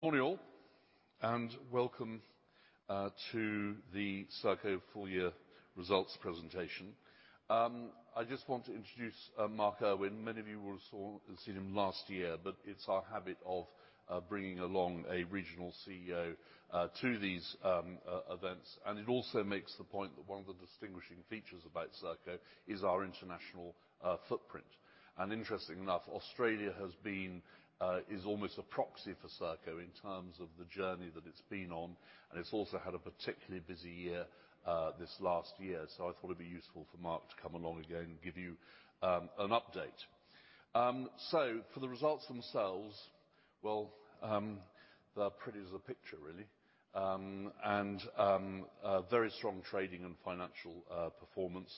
Morning all, welcome to the Serco Full Year Results Presentation. I just want to introduce Mark Irwin. Many of you will have seen him last year, but it's our habit of bringing along a regional CEO to these events. It also makes the point that one of the distinguishing features about Serco is our international footprint. Interestingly enough, Australia is almost a proxy for Serco in terms of the journey that it's been on, and it's also had a particularly busy year this last year. I thought it'd be useful for Mark to come along again and give you an update. For the results themselves, well, they're pretty as a picture, really. Very strong trading and financial performance.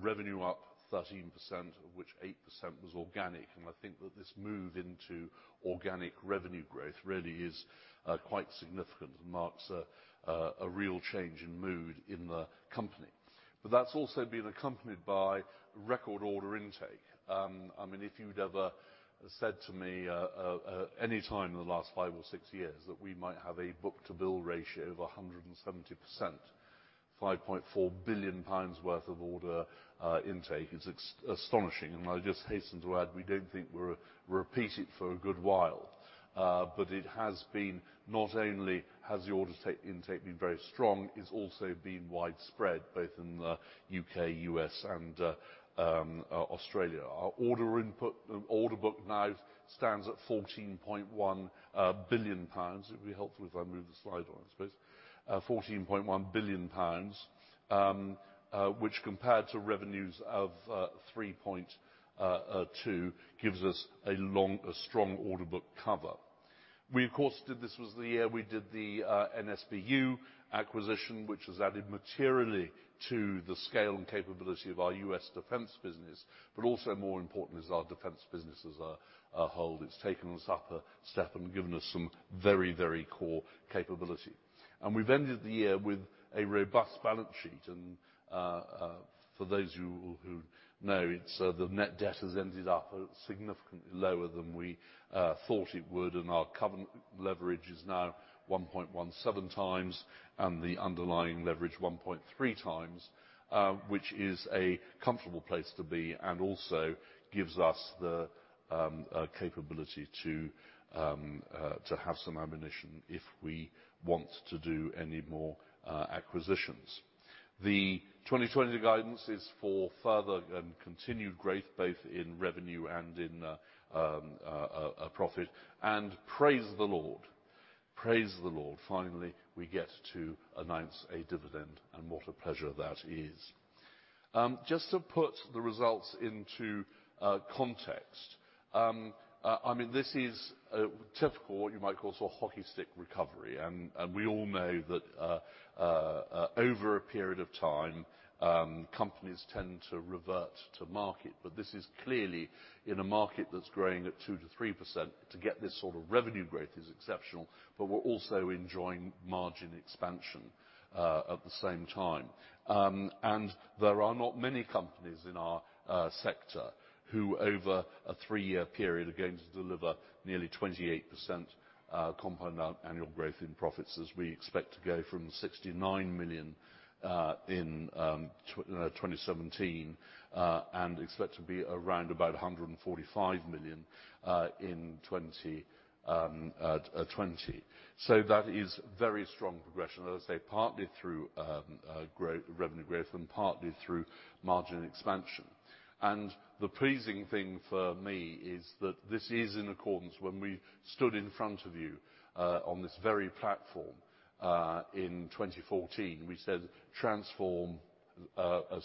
Revenue up 13%, of which 8% was organic. I think that this move into organic revenue growth really is quite significant and marks a real change in mood in the company. That's also been accompanied by record order intake. If you'd ever said to me, any time in the last five or six years that we might have a book-to-bill ratio of 170%, 5.4 billion pounds worth of order intake is astonishing. I just hasten to add, we don't think we'll repeat it for a good while. Not only has the order intake been very strong, it's also been widespread, both in the U.K., U.S., and Australia. Our order book now stands at 14.1 billion pounds. It would be helpful if I move the slide on, I suppose. 14.1 billion pounds, which compared to revenues of 3.2 billion, gives us a strong order book cover. This was the year we did the NSBU acquisition, which has added materially to the scale and capability of our U.S. defense business, but also more important is our defense business as a whole. It's taken us up a step and given us some very core capability. We've ended the year with a robust balance sheet. For those who know, the net debt has ended up significantly lower than we thought it would, and our covenant leverage is now 1.17x, and the underlying leverage 1.3x, which is a comfortable place to be, and also gives us the capability to have some ammunition if we want to do any more acquisitions. The 2020 guidance is for further and continued growth both in revenue and in profit. Praise the Lord, finally, we get to announce a dividend, and what a pleasure that is. Just to put the results into context. This is a typical what you might call hockey stick recovery, and we all know that over a period of time, companies tend to revert to market. This is clearly in a market that's growing at 2%-3%, to get this sort of revenue growth is exceptional, but we're also enjoying margin expansion at the same time. There are not many companies in our sector who, over a three-year period, are going to deliver nearly 28% compound annual growth in profits as we expect to go from 69 million in 2017 and expect to be around about 145 million in 2020. That is very strong progression, as I say, partly through revenue growth and partly through margin expansion. The pleasing thing for me is that this is in accordance when we stood in front of you on this very platform, in 2014, we said,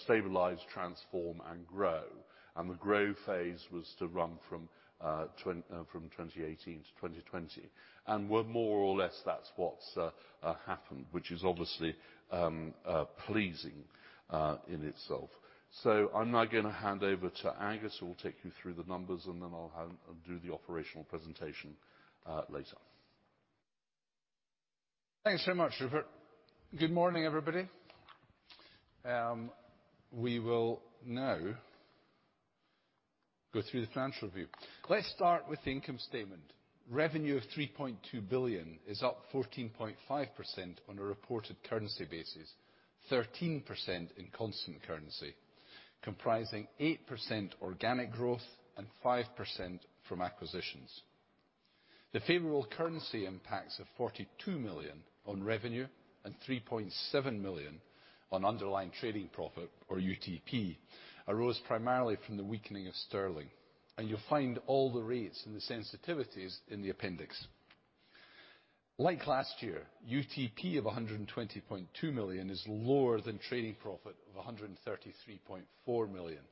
"Stabilize, transform, and grow." The grow phase was to run from 2018 to 2020. More or less that's what's happened, which is obviously pleasing in itself. I'm now going to hand over to Angus, who will take you through the numbers, and then I'll do the operational presentation later. Thanks so much, Rupert. Good morning, everybody. We will now go through the financial review. Let's start with the income statement. Revenue of 3.2 billion is up 14.5% on a reported currency basis, 13% in constant currency, comprising 8% organic growth and 5% from acquisitions. The favorable currency impacts of 42 million on revenue and 3.7 million on underlying trading profit, or UTP, arose primarily from the weakening of sterling. You'll find all the rates and the sensitivities in the appendix. Like last year, UTP of 120.2 million is lower than trading profit of 133.4 million,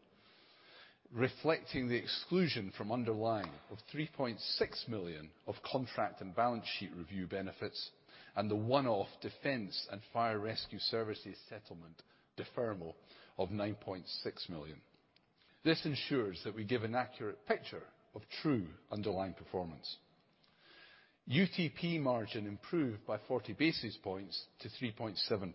reflecting the exclusion from underlying of 3.6 million of contract and balance sheet review benefits and the one-off defense and fire rescue services settlement deferral of 9.6 million. This ensures that we give an accurate picture of true underlying performance. UTP margin improved by 40 basis points to 3.7%.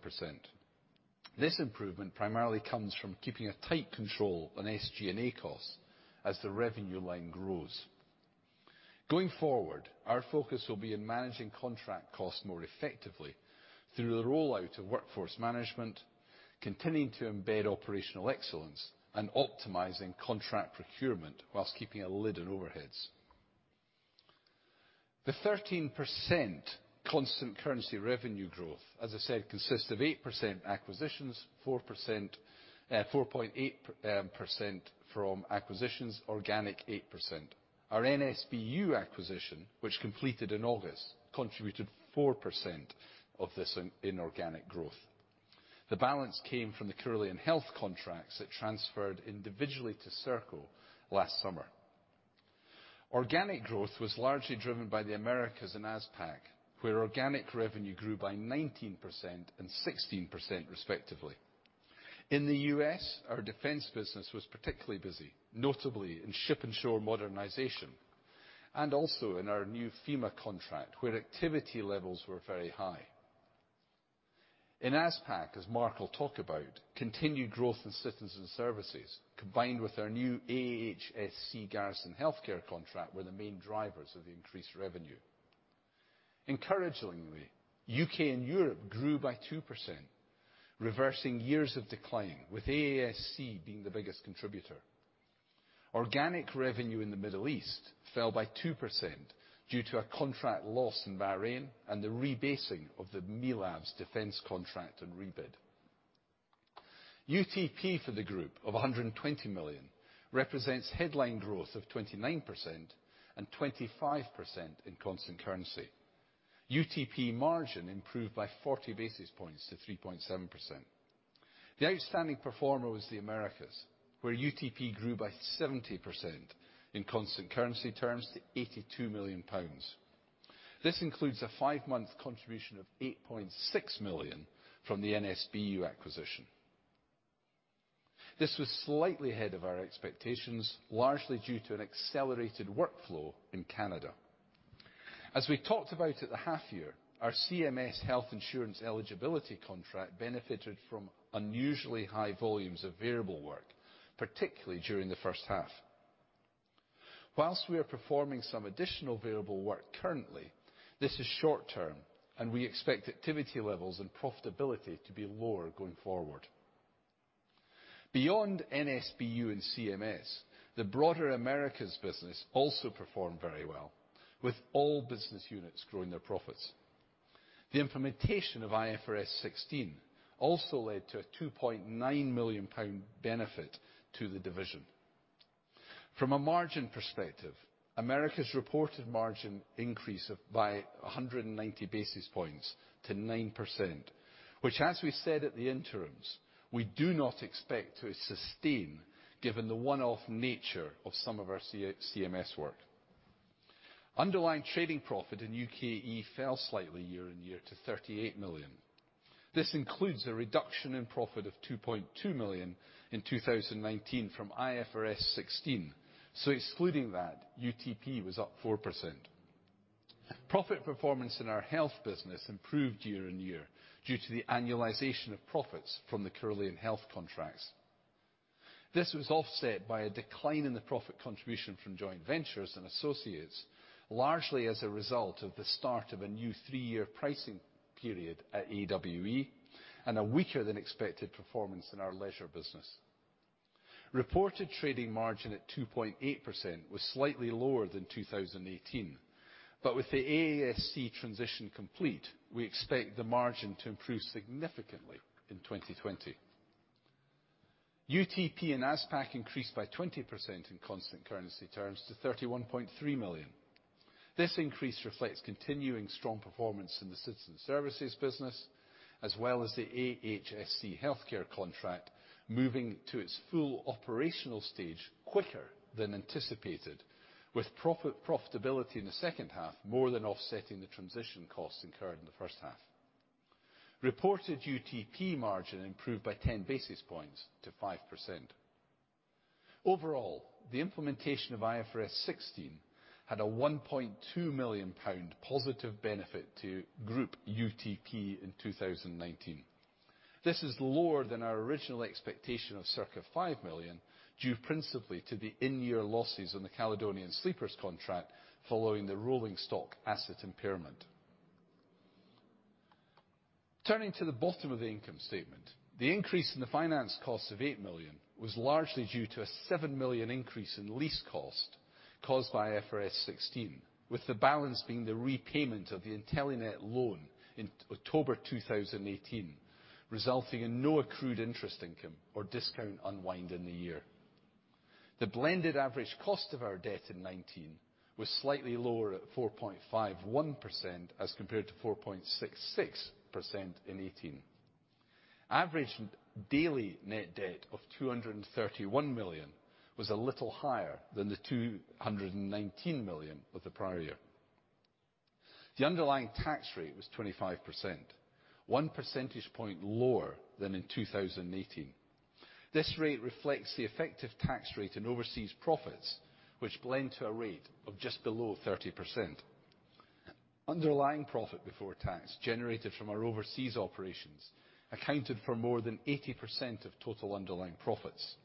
This improvement primarily comes from keeping a tight control on SG&A costs as the revenue line grows. Going forward, our focus will be in managing contract costs more effectively through the rollout of workforce management, continuing to embed operational excellence, and optimizing contract procurement whilst keeping a lid on overheads. The 13% constant currency revenue growth, as I said, consists of 8% acquisitions, 4.8% from acquisitions, organic 8%. Our NSBU acquisition, which completed in August, contributed 4% of this inorganic growth. The balance came from the Carillion Health contracts that transferred individually to Serco last summer. Organic growth was largely driven by the Americas and ASPAC, where organic revenue grew by 19% and 16% respectively. In the U.S., our defense business was particularly busy, notably in ship and shore modernization, and also in our new FEMA contract, where activity levels were very high. In ASPAC, as Mark will talk about, continued growth in citizens services, combined with our new AHSC garrison healthcare contract, were the main drivers of the increased revenue. Encouragingly, UK and Europe grew by 2%, reversing years of decline, with AASC being the biggest contributor. Organic revenue in the Middle East fell by 2% due to a contract loss in Bahrain and the rebasing of the MELABS defense contract on rebid. UTP for the group of 120 million represents headline growth of 29% and 25% in constant currency. UTP margin improved by 40 basis points to 3.7%. The outstanding performer was the Americas, where UTP grew by 70% in constant currency terms to 82 million pounds. This includes a five-month contribution of 8.6 million from the NSBU acquisition. This was slightly ahead of our expectations, largely due to an accelerated workflow in Canada. As we talked about at the half-year, our CMS health insurance eligibility contract benefited from unusually high volumes of variable work, particularly during the first half. While we are performing some additional variable work currently, this is short-term, we expect activity levels and profitability to be lower going forward. Beyond NSBU and CMS, the broader Americas business also performed very well, with all business units growing their profits. The implementation of IFRS 16 also led to a 2.9 million pound benefit to the division. From a margin perspective, Americas reported margin increase by 190 basis points to 9%, which, as we said at the interims, we do not expect to sustain given the one-off nature of some of our CMS work. Underlying trading profit in UK&E fell slightly year-on-year to 38 million. This includes a reduction in profit of 2.2 million in 2019 from IFRS 16, so excluding that, UTP was up 4%. Profit performance in our health business improved year-on-year due to the annualization of profits from the Carillion Health contracts. This was offset by a decline in the profit contribution from joint ventures and associates, largely as a result of the start of a new three-year pricing period at AWE and a weaker-than-expected performance in our leisure business. Reported trading margin at 2.8% was slightly lower than 2018, but with the AASC transition complete, we expect the margin to improve significantly in 2020. UTP and ASPAC increased by 20% in constant currency terms to 31.3 million. This increase reflects continuing strong performance in the citizen services business, as well as the AHSC healthcare contract moving to its full operational stage quicker than anticipated, with profitability in the second half more than offsetting the transition costs incurred in the first half. Reported UTP margin improved by 10 basis points to 5%. Overall, the implementation of IFRS 16 had a 1.2 million pound positive benefit to group UTP in 2019. This is lower than our original expectation of circa 5 million, due principally to the in-year losses on the Caledonian Sleeper contract following the rolling stock asset impairment. Turning to the bottom of the income statement, the increase in the finance costs of 8 million was largely due to a 7 million increase in lease cost caused by IFRS 16, with the balance being the repayment of the Intelenet loan in October 2018, resulting in no accrued interest income or discount unwind in the year. The blended average cost of our debt in 2019 was slightly lower at 4.51% as compared to 4.66% in 2018. Average daily net debt of 231 million was a little higher than the 219 million of the prior year. The underlying tax rate was 25%, 1 percentage point lower than in 2018. This rate reflects the effective tax rate in overseas profits, which blend to a rate of just below 30%. Underlying profit before tax generated from our overseas operations accounted for more than 80% of total underlying profits,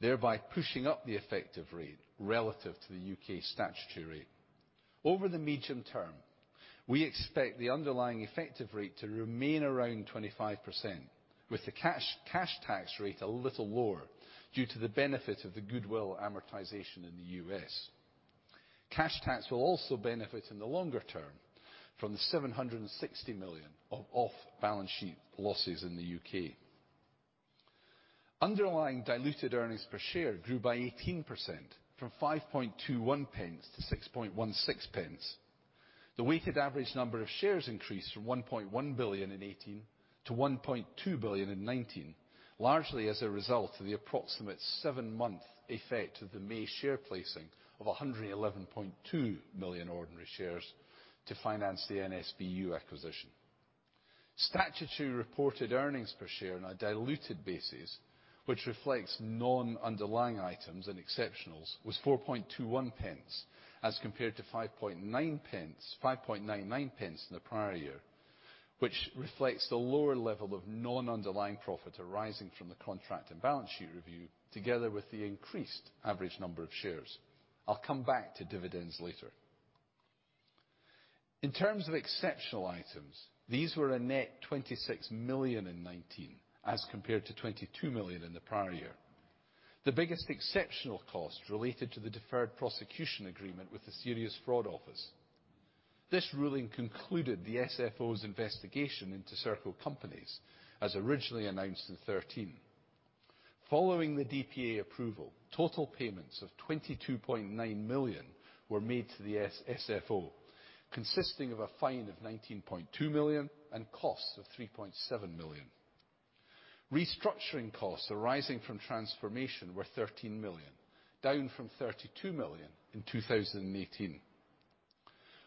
thereby pushing up the effective rate relative to the U.K. statutory rate. Over the medium term, we expect the underlying effective rate to remain around 25%, with the cash tax rate a little lower due to the benefit of the goodwill amortization in the U.S. Cash tax will also benefit in the longer term from the 760 million of off-balance-sheet losses in the U.K. Underlying diluted earnings per share grew by 18%, from 0.0521-0.0616. The weighted average number of shares increased from 1.1 billion in 2018 to 1.2 billion in 2019, largely as a result of the approximate seven-month effect of the May share placing of 111.2 million ordinary shares to finance the NSBU acquisition. Statutory reported earnings per share on a diluted basis, which reflects non-underlying items and exceptionals, was 0.0421, as compared to 0.0599 in the prior year, which reflects the lower level of non-underlying profit arising from the contract and balance sheet review, together with the increased average number of shares. I'll come back to dividends later. In terms of exceptional items, these were a net 26 million in 2019 as compared to 22 million in the prior year. The biggest exceptional cost related to the deferred prosecution agreement with the Serious Fraud Office. This ruling concluded the SFO's investigation into Serco companies, as originally announced in 2013. Following the DPA approval, total payments of 22.9 million were made to the SFO, consisting of a fine of 19.2 million and costs of 3.7 million. Restructuring costs arising from transformation were 13 million, down from 32 million in 2018.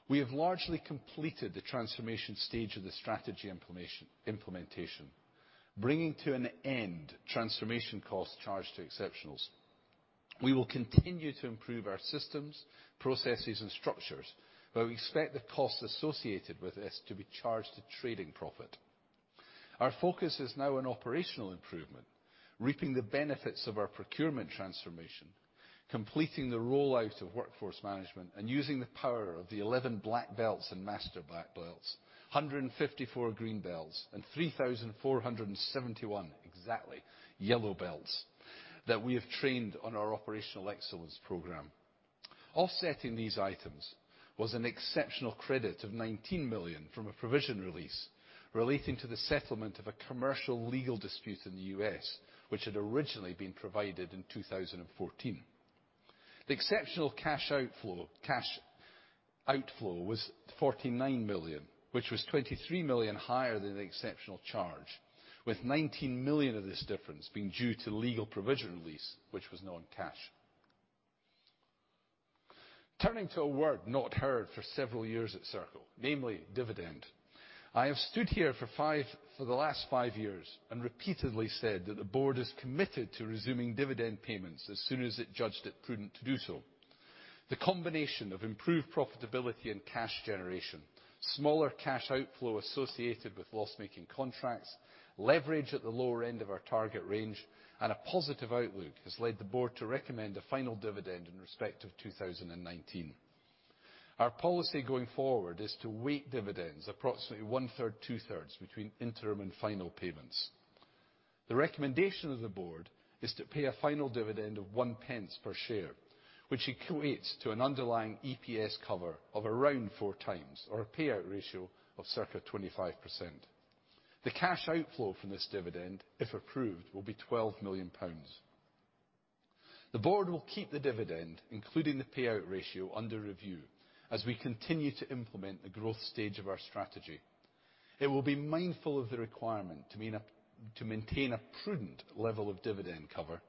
We have largely completed the transformation stage of the strategy implementation, bringing to an end transformation costs charged to exceptionals. We will continue to improve our systems, processes, and structures, we expect the costs associated with this to be charged to trading profit. Our focus is now on operational improvement, reaping the benefits of our procurement transformation, completing the rollout of workforce management, and using the power of the 11 black belts and master black belts, 154 green belts, and 3,471, exactly, yellow belts that we have trained on our Operational Excellence Program. Offsetting these items was an exceptional credit of 19 million from a provision release relating to the settlement of a commercial legal dispute in the U.S., which had originally been provided in 2014. The exceptional cash outflow was 49 million, which was 23 million higher than the exceptional charge, with 19 million of this difference being due to legal provision release, which was non-cash. Turning to a word not heard for several years at Serco, namely dividend. I have stood here for the last five years and repeatedly said that the board is committed to resuming dividend payments as soon as it judged it prudent to do so. The combination of improved profitability and cash generation, smaller cash outflow associated with loss-making contracts, leverage at the lower end of our target range, and a positive outlook has led the board to recommend a final dividend in respect of 2019. Our policy going forward is to weight dividends approximately one third, two-thirds between interim and final payments. The recommendation of the board is to pay a final dividend of 0.01 per share, which equates to an underlying EPS cover of around four times or a payout ratio of circa 25%. The cash outflow from this dividend, if approved, will be 12 million pounds. The board will keep the dividend, including the payout ratio, under review as we continue to implement the growth stage of our strategy. It will be mindful of the requirement to maintain a prudent level of dividend cover,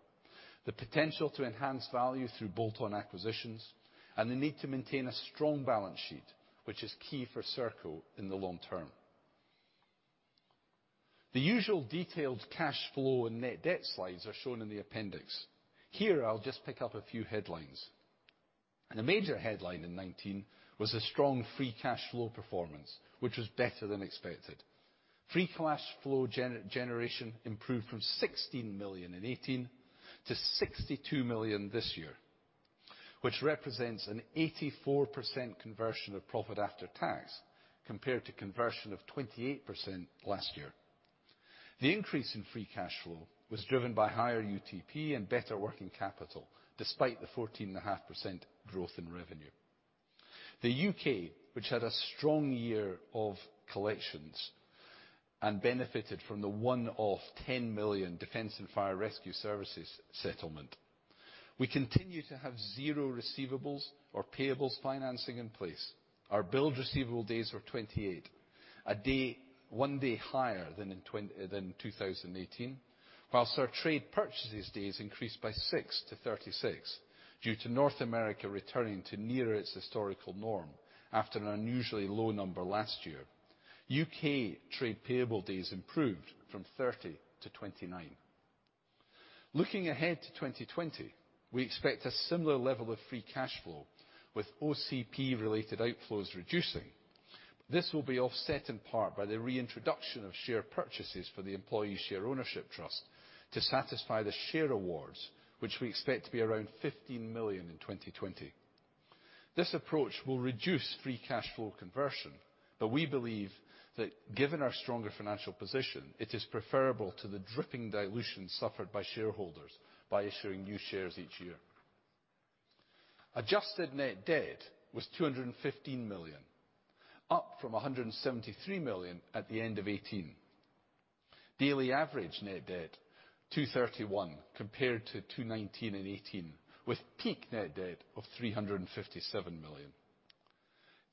the potential to enhance value through bolt-on acquisitions, and the need to maintain a strong balance sheet, which is key for Serco in the long term. The usual detailed cash flow and net debt slides are shown in the appendix. Here, I'll just pick up a few headlines. A major headline in 2019 was a strong free cash flow performance, which was better than expected. Free cash flow generation improved from 16 million in 2018 to 62 million this year, which represents an 84% conversion of profit after tax compared to conversion of 28% last year. The increase in free cash flow was driven by higher UTP and better working capital, despite the 14.5% growth in revenue. The U.K., which had a strong year of collections and benefited from the one-off 10 million defense and fire rescue services settlement, we continue to have zero receivables or payables financing in place. Our billed receivable days are 28, one day higher than in 2018. Whilst our trade purchases days increased by 6-36 due to North America returning to near its historical norm after an unusually low number last year. U.K. trade payable days improved from 30-29. Looking ahead to 2020, we expect a similar level of free cash flow with OCP-related outflows reducing. This will be offset in part by the reintroduction of share purchases for the employee share ownership trust to satisfy the share awards, which we expect to be around 50 million in 2020. This approach will reduce free cash flow conversion, but we believe that given our stronger financial position, it is preferable to the dripping dilution suffered by shareholders by issuing new shares each year. Adjusted net debt was 215 million, up from 173 million at the end of 2018. Daily average net debt, 231 compared to 219 in 2018, with peak net debt of 357 million.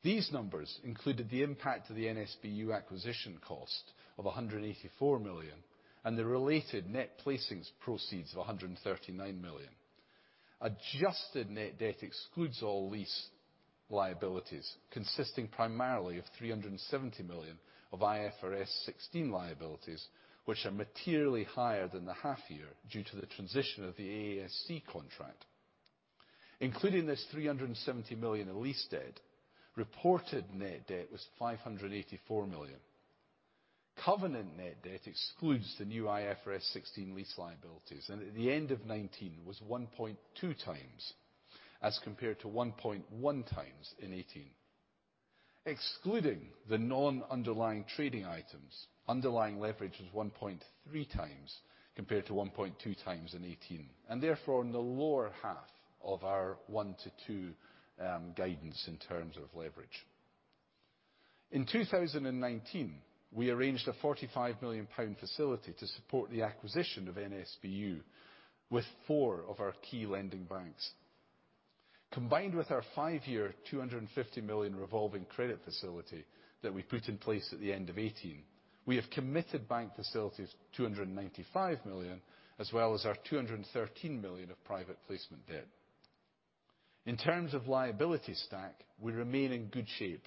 These numbers included the impact of the NSBU acquisition cost of 184 million, and the related net placings proceeds of 139 million. Adjusted net debt excludes all lease liabilities, consisting primarily of 370 million of IFRS 16 liabilities, which are materially higher than the half year due to the transition of the AASC contract. Including this 370 million of lease debt, reported net debt was 584 million. Covenant net debt excludes the new IFRS 16 lease liabilities, and at the end of 2019 was 1.2x as compared to 1.1x in 2018. Excluding the non-underlying trading items, underlying leverage was 1.3x compared to 1.2x in 2018, and therefore in the lower half of our 1:2 guidance in terms of leverage. In 2019, we arranged a 45 million pound facility to support the acquisition of NSBU with four of our key lending banks. Combined with our five-year, 250 million revolving credit facility that we put in place at the end of 2018, we have committed bank facilities of 295 million, as well as our 213 million of private placement debt. In terms of liability stack, we remain in good shape.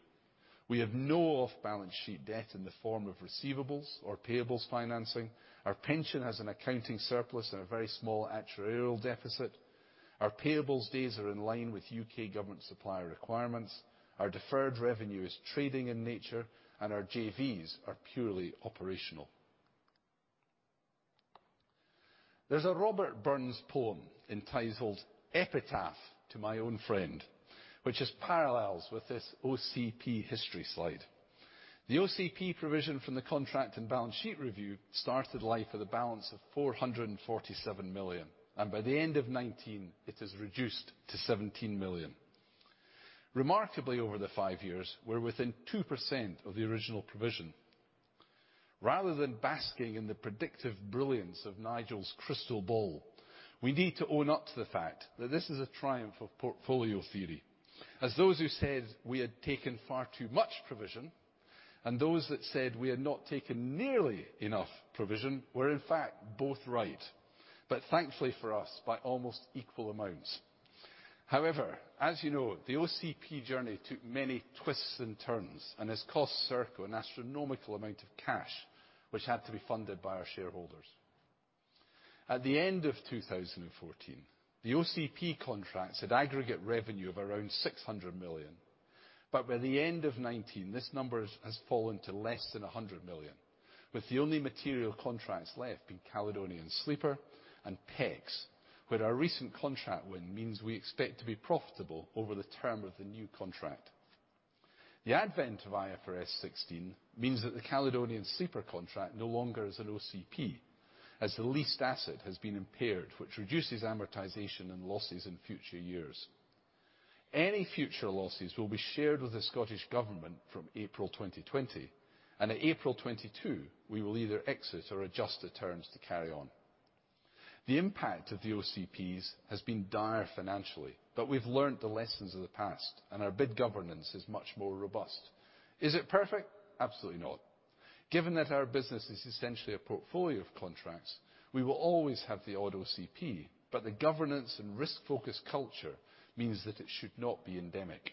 We have no off-balance sheet debt in the form of receivables or payables financing. Our pension has an accounting surplus and a very small actuarial deficit. Our payables days are in line with U.K. government supplier requirements. Our deferred revenue is trading in nature, and our JVs are purely operational. There's a Robert Burns poem entitled "Epitaph to My Own Friend," which has parallels with this OCP history slide. The OCP provision from the contract and balance sheet review started life with a balance of 447 million, and by the end of 2019, it is reduced to 17 million. Remarkably, over the five years, we're within 2% of the original provision. Rather than basking in the predictive brilliance of Nigel's crystal ball, we need to own up to the fact that this is a triumph of portfolio theory, as those who said we had taken far too much provision and those that said we had not taken nearly enough provision were in fact both right, but thankfully for us, by almost equal amounts. However, as you know, the OCP journey took many twists and turns and has cost Serco an astronomical amount of cash which had to be funded by our shareholders. At the end of 2014, the OCP contracts had aggregate revenue of around 600 million. By the end of 2019, this number has fallen to less than 100 million, with the only material contracts left being Caledonian Sleeper and PECS, where our recent contract win means we expect to be profitable over the term of the new contract. The advent of IFRS 16 means that the Caledonian Sleeper contract no longer is an OCP, as the leased asset has been impaired, which reduces amortization and losses in future years. Any future losses will be shared with the Scottish Government from April 2020, and at April 2022, we will either exit or adjust the terms to carry on. The impact of the OCPs has been dire financially, but we've learned the lessons of the past and our bid governance is much more robust. Is it perfect? Absolutely not. Given that our business is essentially a portfolio of contracts, we will always have the odd OCP, but the governance and risk-focused culture means that it should not be endemic.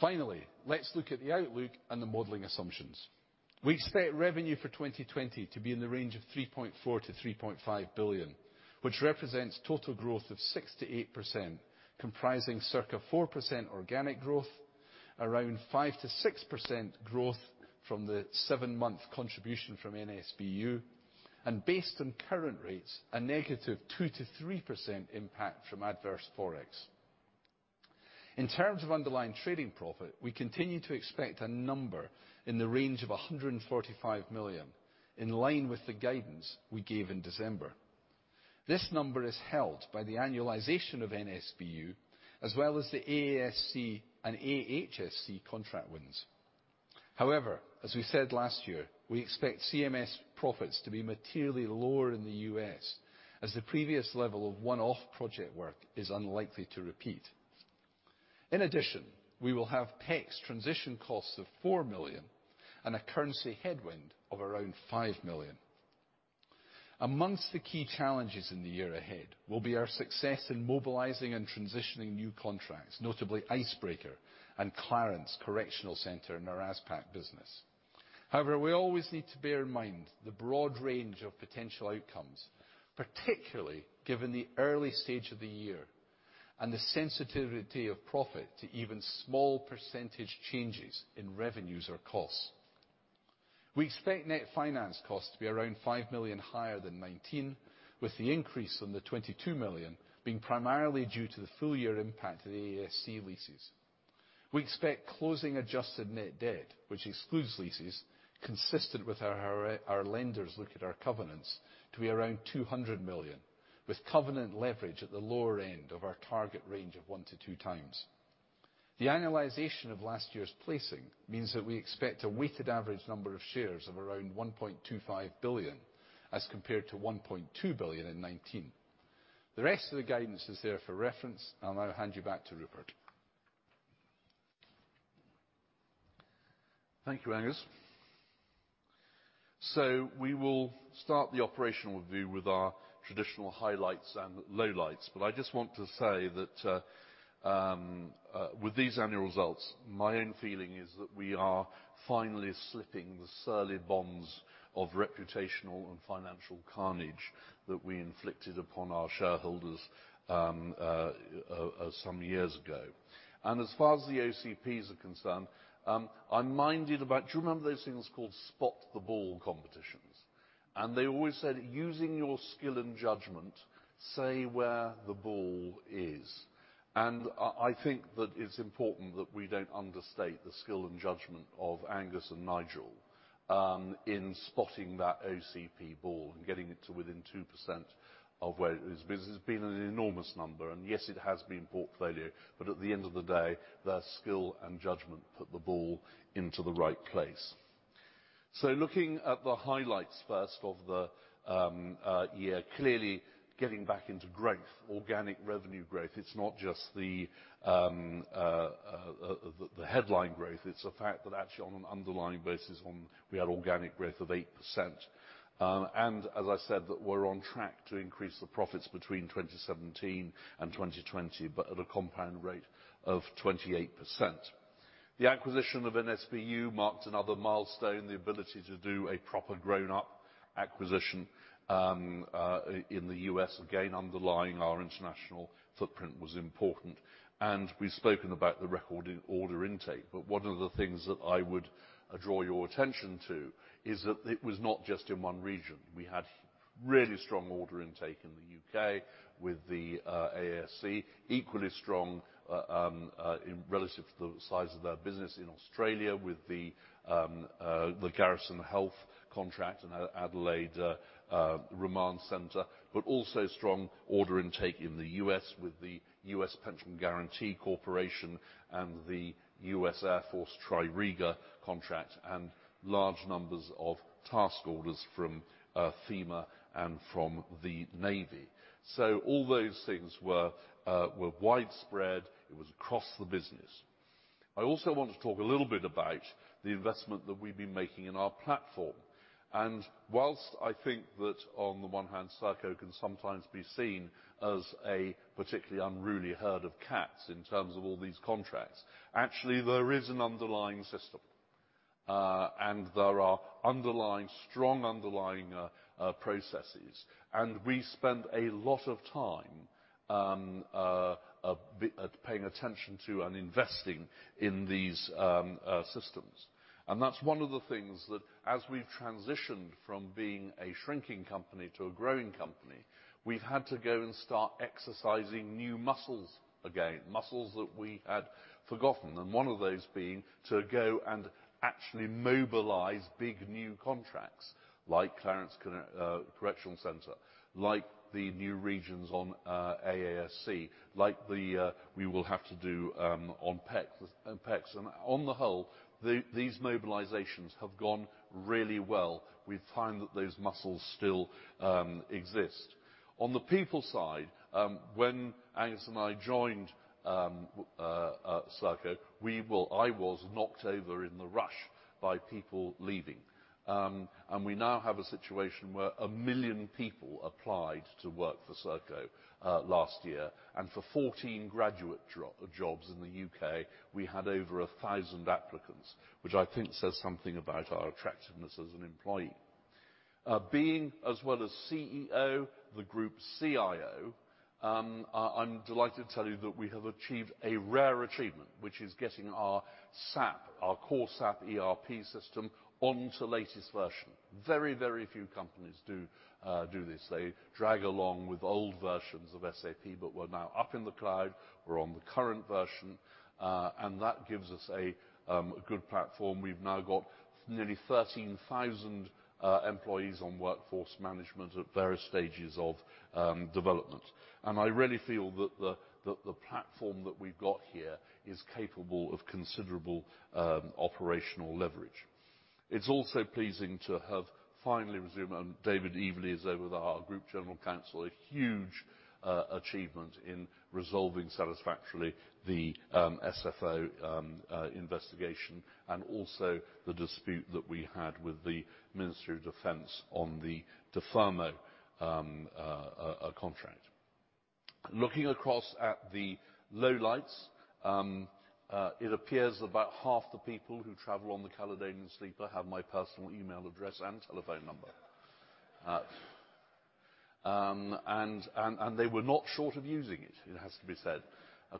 Finally, let's look at the outlook and the modeling assumptions. We expect revenue for 2020 to be in the range of 3.4 billion-3.5 billion, which represents total growth of 6%-8%, comprising circa 4% organic growth, around 5%-6% growth from the seven-month contribution from NSBU, and based on current rates, a negative 2%-3% impact from adverse Forex. In terms of underlying trading profit, we continue to expect a number in the range of 145 million, in line with the guidance we gave in December. This number is held by the annualization of NSBU, as well as the AASC and AHSC contract wins. However, as we said last year, we expect CMS profits to be materially lower in the U.S. as the previous level of one-off project work is unlikely to repeat. In addition, we will have PECS transition costs of 4 million and a currency headwind of around 5 million. Amongst the key challenges in the year ahead will be our success in mobilizing and transitioning new contracts, notably Icebreaker and Clarence Correctional Center in our ASPAC business. However, we always need to bear in mind the broad range of potential outcomes, particularly given the early stage of the year. The sensitivity of profit to even small percentage changes in revenues or costs. We expect net finance costs to be around 5 million higher than 2019, with the increase on the 22 million being primarily due to the full year impact of the AASC leases. We expect closing adjusted net debt, which excludes leases, consistent with how our lenders look at our covenants, to be around 200 million, with covenant leverage at the lower end of our target range of one to two times. The annualization of last year's placing means that we expect a weighted average number of shares of around 1.25 billion, as compared to 1.2 billion in 2019. The rest of the guidance is there for reference. I'll now hand you back to Rupert. Thank you, Angus. We will start the operational view with our traditional highlights and lowlights. I just want to say that with these annual results, my own feeling is that we are finally slipping the surly bonds of reputational and financial carnage that we inflicted upon our shareholders some years ago. As far as the OCPs are concerned, I'm minded about. Do you remember those things called spot the ball competitions? They always said, "Using your skill and judgment, say where the ball is." I think that it's important that we don't understate the skill and judgment of Angus and Nigel in spotting that OCP ball and getting it to within 2% of where it is. It's been an enormous number, and yes, it has been portfolio, at the end of the day, their skill and judgment put the ball into the right place. Looking at the highlights first of the year, clearly getting back into growth, organic revenue growth. It's not just the headline growth, it's the fact that actually on an underlying basis on we had organic growth of 8%. As I said, that we're on track to increase the profits between 2017 and 2020, at a compound rate of 28%. The acquisition of NSBU marked another milestone, the ability to do a proper grown-up acquisition in the U.S. Again, underlying our international footprint was important. We've spoken about the record order intake, one of the things that I would draw your attention to is that it was not just in one region. We had really strong order intake in the U.K. with the AASC, equally strong relative to the size of their business in Australia with the Garrison Health contract and Adelaide Remand Center. Also strong order intake in the U.S. with the U.S. Pension Benefit Guaranty Corporation and the U.S. Air Force TRIRIGA contract, and large numbers of task orders from FEMA and from the U.S. Navy. All those things were widespread. It was across the business. I also want to talk a little bit about the investment that we've been making in our platform. Whilst I think that on the one hand, Serco can sometimes be seen as a particularly unruly herd of cats in terms of all these contracts, actually there is an underlying system. There are strong underlying processes. We spend a lot of time paying attention to and investing in these systems. That's one of the things that as we've transitioned from being a shrinking company to a growing company, we've had to go and start exercising new muscles again, muscles that we had forgotten, and one of those being to go and actually mobilize big new contracts like Southern Queensland Correctional Centre, like the new regions on AASC, like we will have to do on PECS. On the whole, these mobilizations have gone really well. We find that those muscles still exist. On the people side, when Angus and I joined Serco, I was knocked over in the rush by people leaving. We now have a situation where a million people applied to work for Serco last year. For 14 graduate jobs in the U.K., we had over a thousand applicants, which I think says something about our attractiveness as an employee. Being as well as CEO, the Group CIO, I'm delighted to tell you that we have achieved a rare achievement, which is getting our SAP, our core SAP ERP system, onto latest version. Very few companies do this. They drag along with old versions of SAP. We're now up in the cloud. We're on the current version. That gives us a good platform. We've now got nearly 13,000 employees on workforce management at various stages of development. I really feel that the platform that we've got here is capable of considerable operational leverage. It's also pleasing to have finally resumed, David Eveleigh is over there, our Group General Counsel, a huge achievement in resolving satisfactorily the SFO investigation and also the dispute that we had with the Ministry of Defence on the DFRMO contract. Looking across at the lowlights, it appears about half the people who travel on the Caledonian Sleeper have my personal email address and telephone number. They were not short of using it has to be said.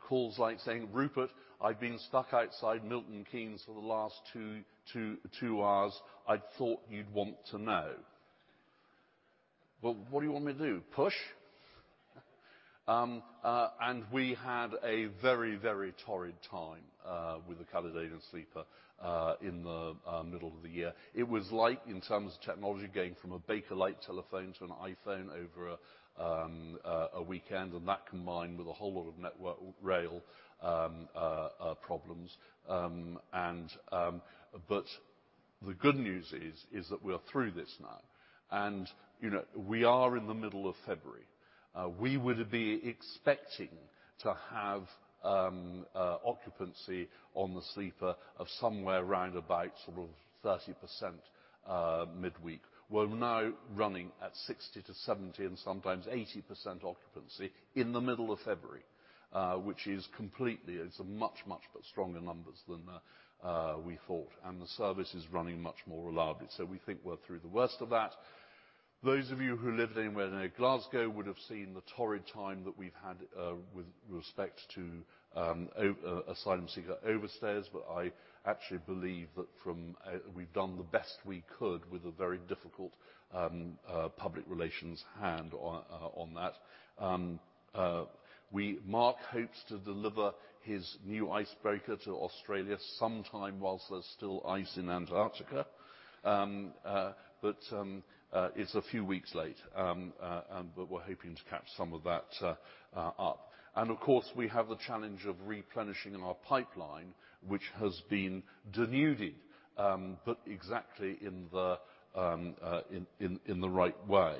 Calls like saying, "Rupert, I've been stuck outside Milton Keynes for the last two hours. I'd thought you'd want to know." Well, what do you want me to do? Push? We had a very torrid time with the Caledonian Sleeper in the middle of the year. It was like in terms of technology, going from a Bakelite telephone to an iPhone over a weekend, and that combined with a whole lot of Network Rail problems. The good news is that we are through this now. We are in the middle of February. We would be expecting to have occupancy on the sleeper of somewhere around about sort of 30% midweek. We're now running at 60%-70% and sometimes 80% occupancy in the middle of February. It's a much stronger numbers than we thought. The service is running much more reliably, so we think we're through the worst of that. Those of you who lived anywhere near Glasgow would have seen the torrid time that we've had with respect to asylum seeker overstayers. I actually believe that we've done the best we could with a very difficult public relations hand on that. Mark hopes to deliver his new icebreaker to Australia sometime whilst there's still ice in Antarctica. It's a few weeks late, but we're hoping to catch some of that up. Of course, we have the challenge of replenishing our pipeline, which has been denuded, exactly in the right way.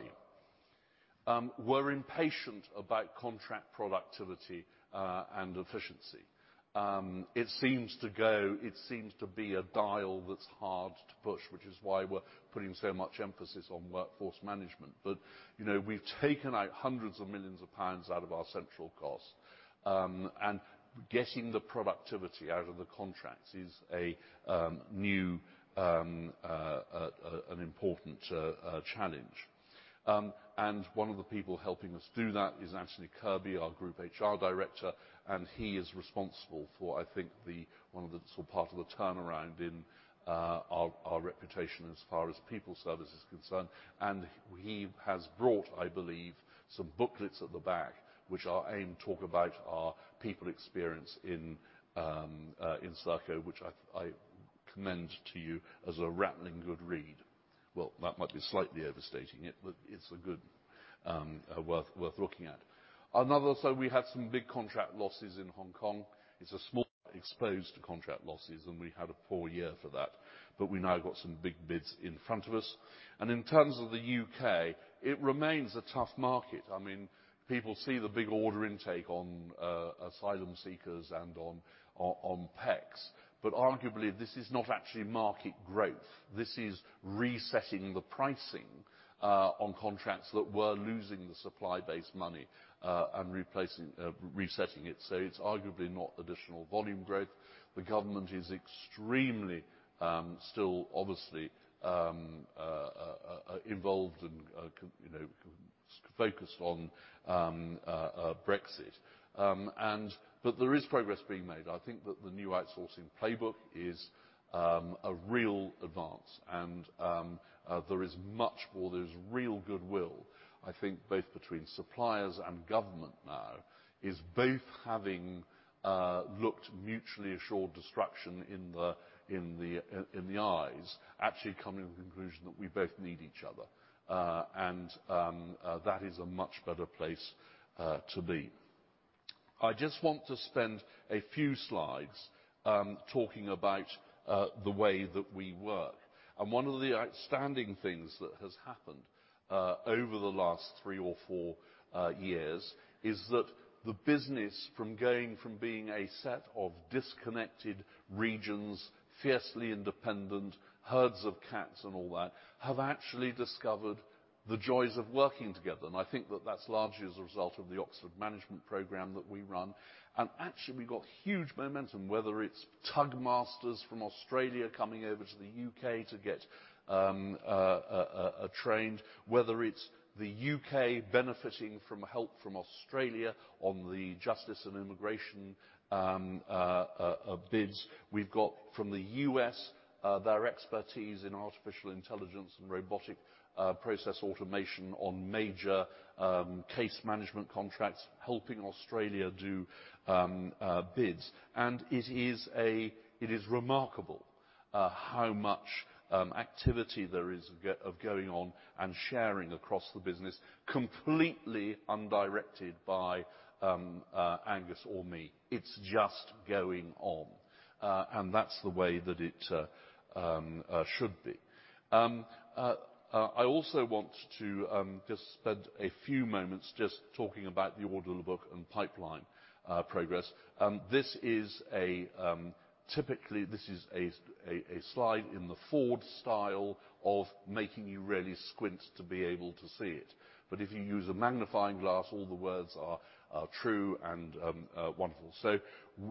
We're impatient about contract productivity and efficiency. It seems to be a dial that's hard to push, which is why we're putting so much emphasis on workforce management. We've taken out hundreds of millions of pounds out of our central cost. Getting the productivity out of the contracts is a new and important challenge. One of the people helping us do that is Anthony Kirby, our Group HR Director, and he is responsible for, I think, one of the sort of part of the turnaround in our reputation as far as people service is concerned. He has brought, I believe, some booklets at the back which are aimed to talk about our people experience in Serco, which I commend to you as a rattling good read. Well, that might be slightly overstating it, but it's worth looking at. Also we had some big contract losses in Hong Kong. It's a small exposed to contract losses, and we had a poor year for that, but we now got some big bids in front of us. In terms of the U.K., it remains a tough market. People see the big order intake on asylum seekers and on PECs, but arguably this is not actually market growth. This is resetting the pricing on contracts that were losing the supply base money, and resetting it. It's arguably not additional volume growth. The Government is extremely still obviously involved and focused on Brexit. There is progress being made. I think that the new outsourcing playbook is a real advance, and there is much more. There is real goodwill, I think both between suppliers and Government now is both having looked mutually assured destruction in the eyes, actually coming to the conclusion that we both need each other. That is a much better place to be. I just want to spend a few slides talking about the way that we work. One of the outstanding things that has happened over the last three or four years is that the business from going from being a set of disconnected regions, fiercely independent herds of cats and all that, have actually discovered the joys of working together. I think that that's largely as a result of the Oxford Management program that we run. Actually, we got huge momentum, whether it's tug masters from Australia coming over to the U.K. to get trained, whether it's the U.K. benefiting from help from Australia on the Justice and Immigration bids. We've got from the U.S. their expertise in artificial intelligence and robotic process automation on major case management contracts, helping Australia do bids. It is remarkable how much activity there is going on and sharing across the business completely undirected by Angus or me. It's just going on. That's the way that it should be. I also want to just spend a few moments just talking about the order book and pipeline progress. Typically, this is a slide in the Ford style of making you really squint to be able to see it. If you use a magnifying glass, all the words are true and wonderful.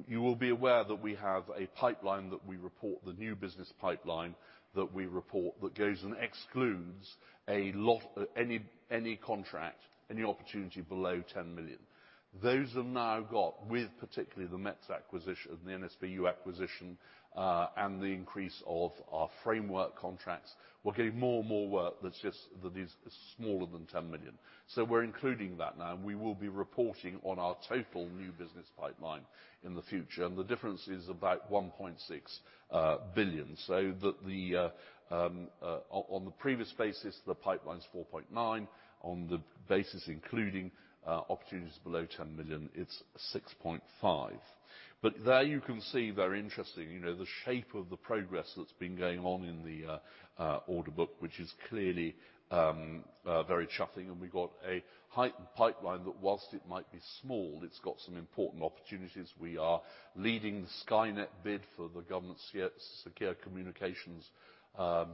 You will be aware that we have a pipeline that we report, the new business pipeline that we report that goes and excludes any contract, any opportunity below 10 million. Those have now got with particularly the Metz acquisition and the NSBU acquisition, and the increase of our framework contracts. We're getting more and more work that is smaller than 10 million. We are including that now, and we will be reporting on our total new business pipeline in the future, and the difference is about 1.6 billion. On the previous basis, the pipeline is 4.9 billion. On the basis including opportunities below 10 million, it is 6.5 billion. There you can see very interesting, the shape of the progress that has been going on in the order book, which is clearly very chuffing, and we got a heightened pipeline that whilst it might be small, it has got some important opportunities. We are leading the Skynet bid for the government's secure communications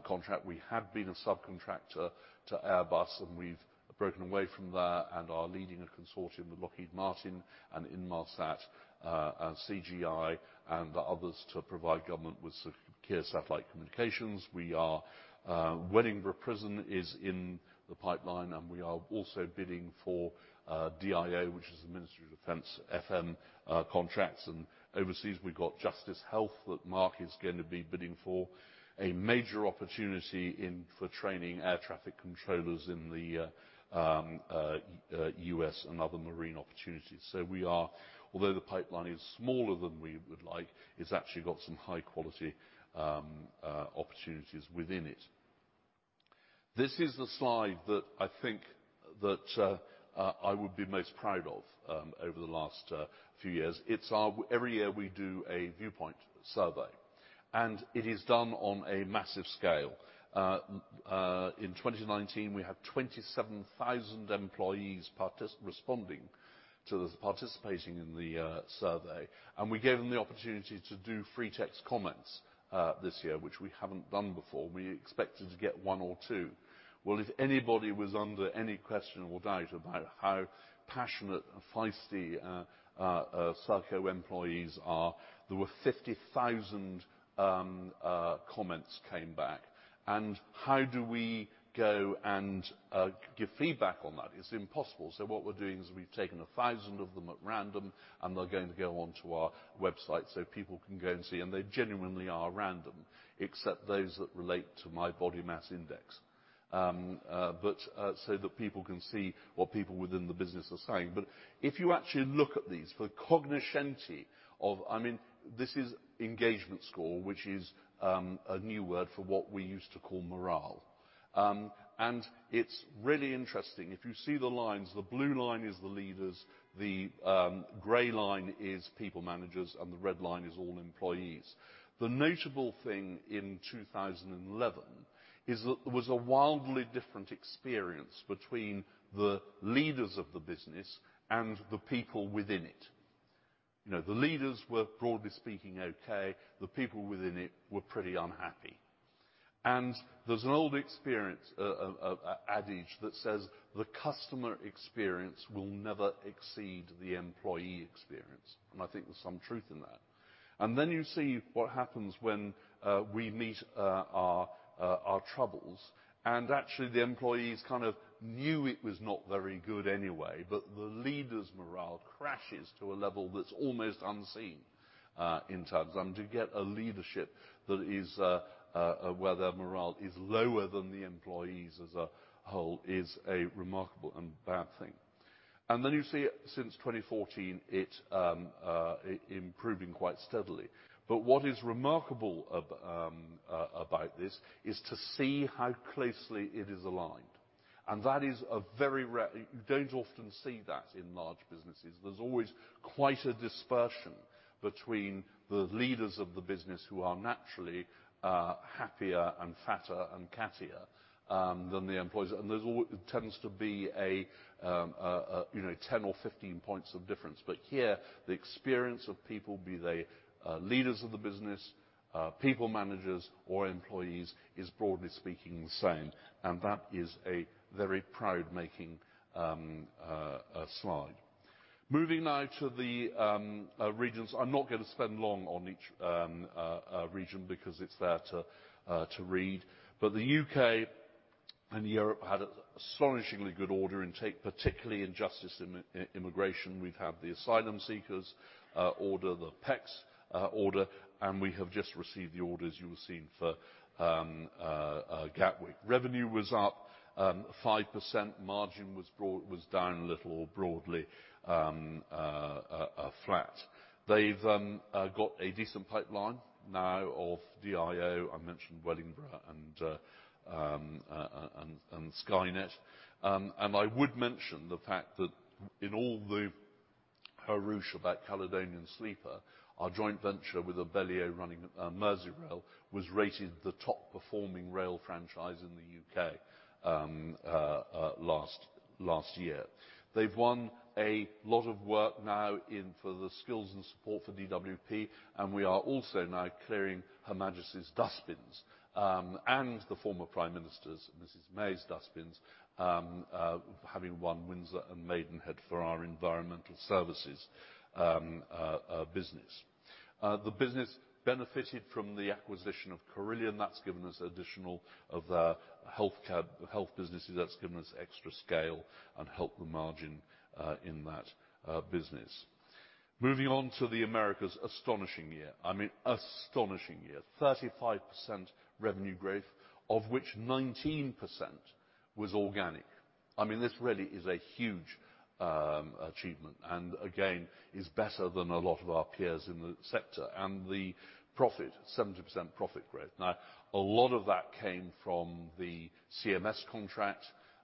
contract. We have been a subcontractor to Airbus, and we have broken away from that and are leading a consortium with Lockheed Martin and Inmarsat and CGI and others to provide government with secure satellite communications. Wellingborough Prison is in the pipeline. We are also bidding for DIO, which is the Ministry of Defence FM contracts. Overseas, we've got Justice Health that Mark is going to be bidding for a major opportunity for training air traffic controllers in the U.S. and other marine opportunities. Although the pipeline is smaller than we would like, it's actually got some high-quality opportunities within it. This is the slide that I think that I would be most proud of over the last few years. Every year, we do a viewpoint survey. It is done on a massive scale. In 2019, we had 27,000 employees participating in the survey. We gave them the opportunity to do free text comments this year, which we haven't done before. We expected to get one or two. If anybody was under any question or doubt about how passionate and feisty Serco employees are, there were 50,000 comments came back. How do we go and give feedback on that? It's impossible. What we're doing is we've taken a thousand of them at random, and they're going to go onto our website so people can go and see. They genuinely are random, except those that relate to my body mass index. That people can see what people within the business are saying. If you actually look at these, this is engagement score, which is a new word for what we used to call morale. It's really interesting. If you see the lines, the blue line is the leaders, the gray line is people managers, and the red line is all employees. The notable thing in 2011 was a wildly different experience between the leaders of the business and the people within it. The leaders were, broadly speaking, okay. The people within it were pretty unhappy. There's an old adage that says the customer experience will never exceed the employee experience. I think there's some truth in that. You see what happens when we meet our troubles, and actually the employees kind of knew it was not very good anyway, but the leaders morale crashes to a level that's almost unseen in terms. To get a leadership where their morale is lower than the employees as a whole is a remarkable and bad thing. You see since 2014, it improving quite steadily. What is remarkable about this is to see how closely it is aligned. You don't often see that in large businesses. Here, the experience of people, be they leaders of the business, people managers or employees, is broadly speaking the same. And that is a very proud making slide. Moving now to the regions. I'm not going to spend long on each region because it's there to read. The UK and Europe had astonishingly good order intake, particularly in Justice Immigration. We've had the asylum seekers order, the PECS order, and we have just received the orders you will see for Gatwick. Revenue was up 5%, margin was down a little or broadly flat. They've got a decent pipeline now of DIO. I mentioned Wellingborough and Skynet. I would mention the fact that in all the hurrah about Caledonian Sleeper, our joint venture with Abellio running Merseyrail was rated the top performing rail franchise in the U.K. last year. They've won a lot of work now in for the skills and support for DWP, and we are also now clearing Her Majesty's dustbins, and the former Prime Minister's, Mrs. May's dustbins, having won Windsor and Maidenhead for our environmental services business. The business benefited from the acquisition of Carillion. That's given us additional of health businesses. That's given us extra scale and helped the margin in that business. Moving on to the Americas, astonishing year. I mean, astonishing year. 35% revenue growth, of which 19% was organic. This really is a huge achievement, and again, is better than a lot of our peers in the sector. The profit, 70% profit growth. A lot of that came from the CMS contract,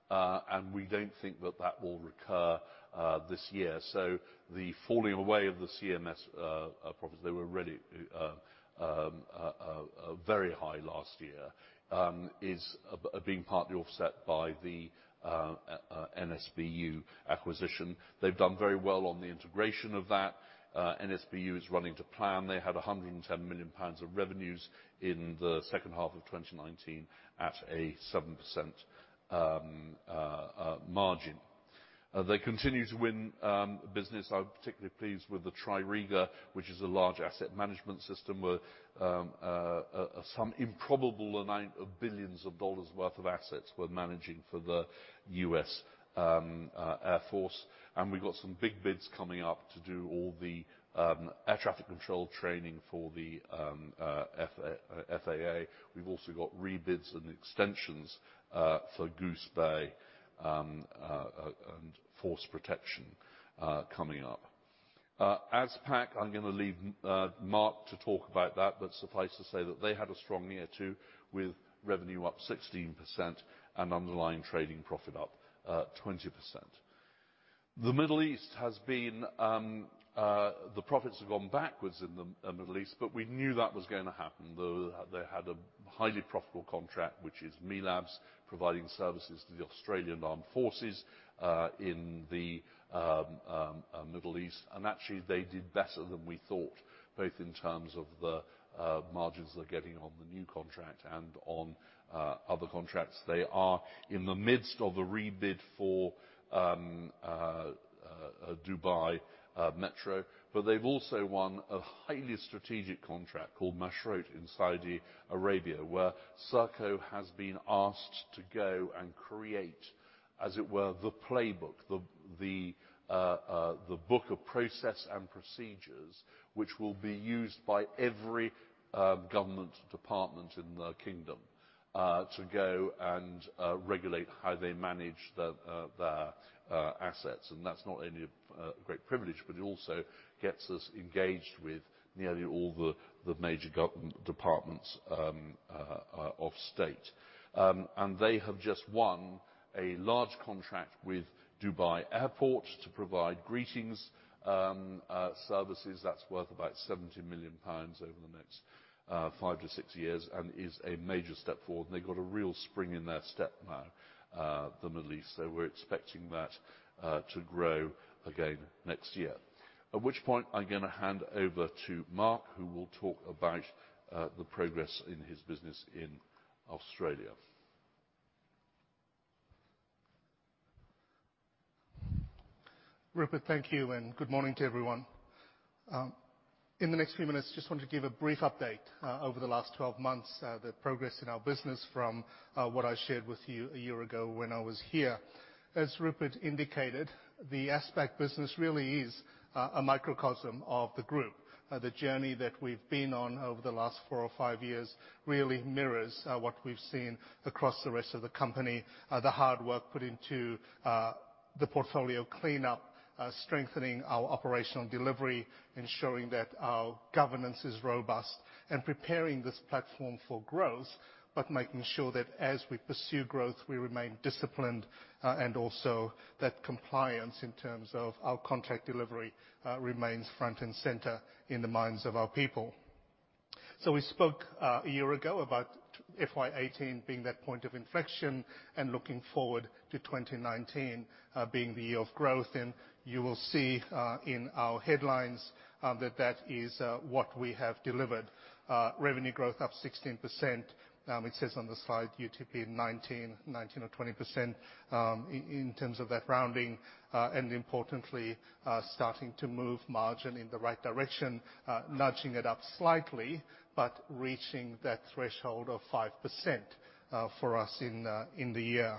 and we don't think that that will recur this year. The falling away of the CMS profits, they were really very high last year, is being partly offset by the NSBU acquisition. They've done very well on the integration of that. NSBU is running to plan. They had 110 million pounds of revenues in the second half of 2019 at a 7% margin. They continue to win business. I'm particularly pleased with the TRIRIGA, which is a large asset management system where some improbable amount of billions of dollars worth of assets we're managing for the U.S. Air Force. We've got some big bids coming up to do all the air traffic control training for the FAA. We've also got re-bids and extensions for Goose Bay and Force Protection coming up. ASPAC, I'm going to leave Mark to talk about that, suffice to say that they had a strong year, too, with revenue up 16% and underlying trading profit up 20%. The profits have gone backwards in the Middle East, we knew that was going to happen, though they had a highly profitable contract, which is MELABS, providing services to the Australian Armed Forces in the Middle East. Actually, they did better than we thought, both in terms of the margins they're getting on the new contract and on other contracts. They are in the midst of a re-bid for Dubai Metro, but they've also won a highly strategic contract called Mashroat in Saudi Arabia, where Serco has been asked to go and create, as it were, the playbook, the book of process and procedures, which will be used by every government department in the kingdom to go and regulate how they manage their assets. That's not only a great privilege, but it also gets us engaged with nearly all the major government departments of state. They have just won a large contract with Dubai Airport to provide greetings services. That's worth about 70 million pounds over the next five to six years and is a major step forward. They've got a real spring in their step now, the Middle East. We're expecting that to grow again next year. At which point, I'm going to hand over to Mark, who will talk about the progress in his business in Australia. Rupert, thank you. Good morning to everyone. In the next few minutes, I just want to give a brief update. Over the last 12 months, the progress in our business from what I shared with you a year ago when I was here. As Rupert indicated, the ASPAC business really is a microcosm of the group. The journey that we've been on over the last four or five years really mirrors what we've seen across the rest of the company. The hard work put into the portfolio cleanup, strengthening our operational delivery, ensuring that our governance is robust, and preparing this platform for growth, but making sure that as we pursue growth, we remain disciplined, and also that compliance in terms of our contract delivery remains front and center in the minds of our people. We spoke a year ago about FY 2018 being that point of inflection and looking forward to 2019 being the year of growth. You will see in our headlines that that is what we have delivered. Revenue growth up 16%. It says on the slide UTP 19% or 20% in terms of that rounding. Importantly, starting to move margin in the right direction, nudging it up slightly, but reaching that threshold of 5% for us in the year.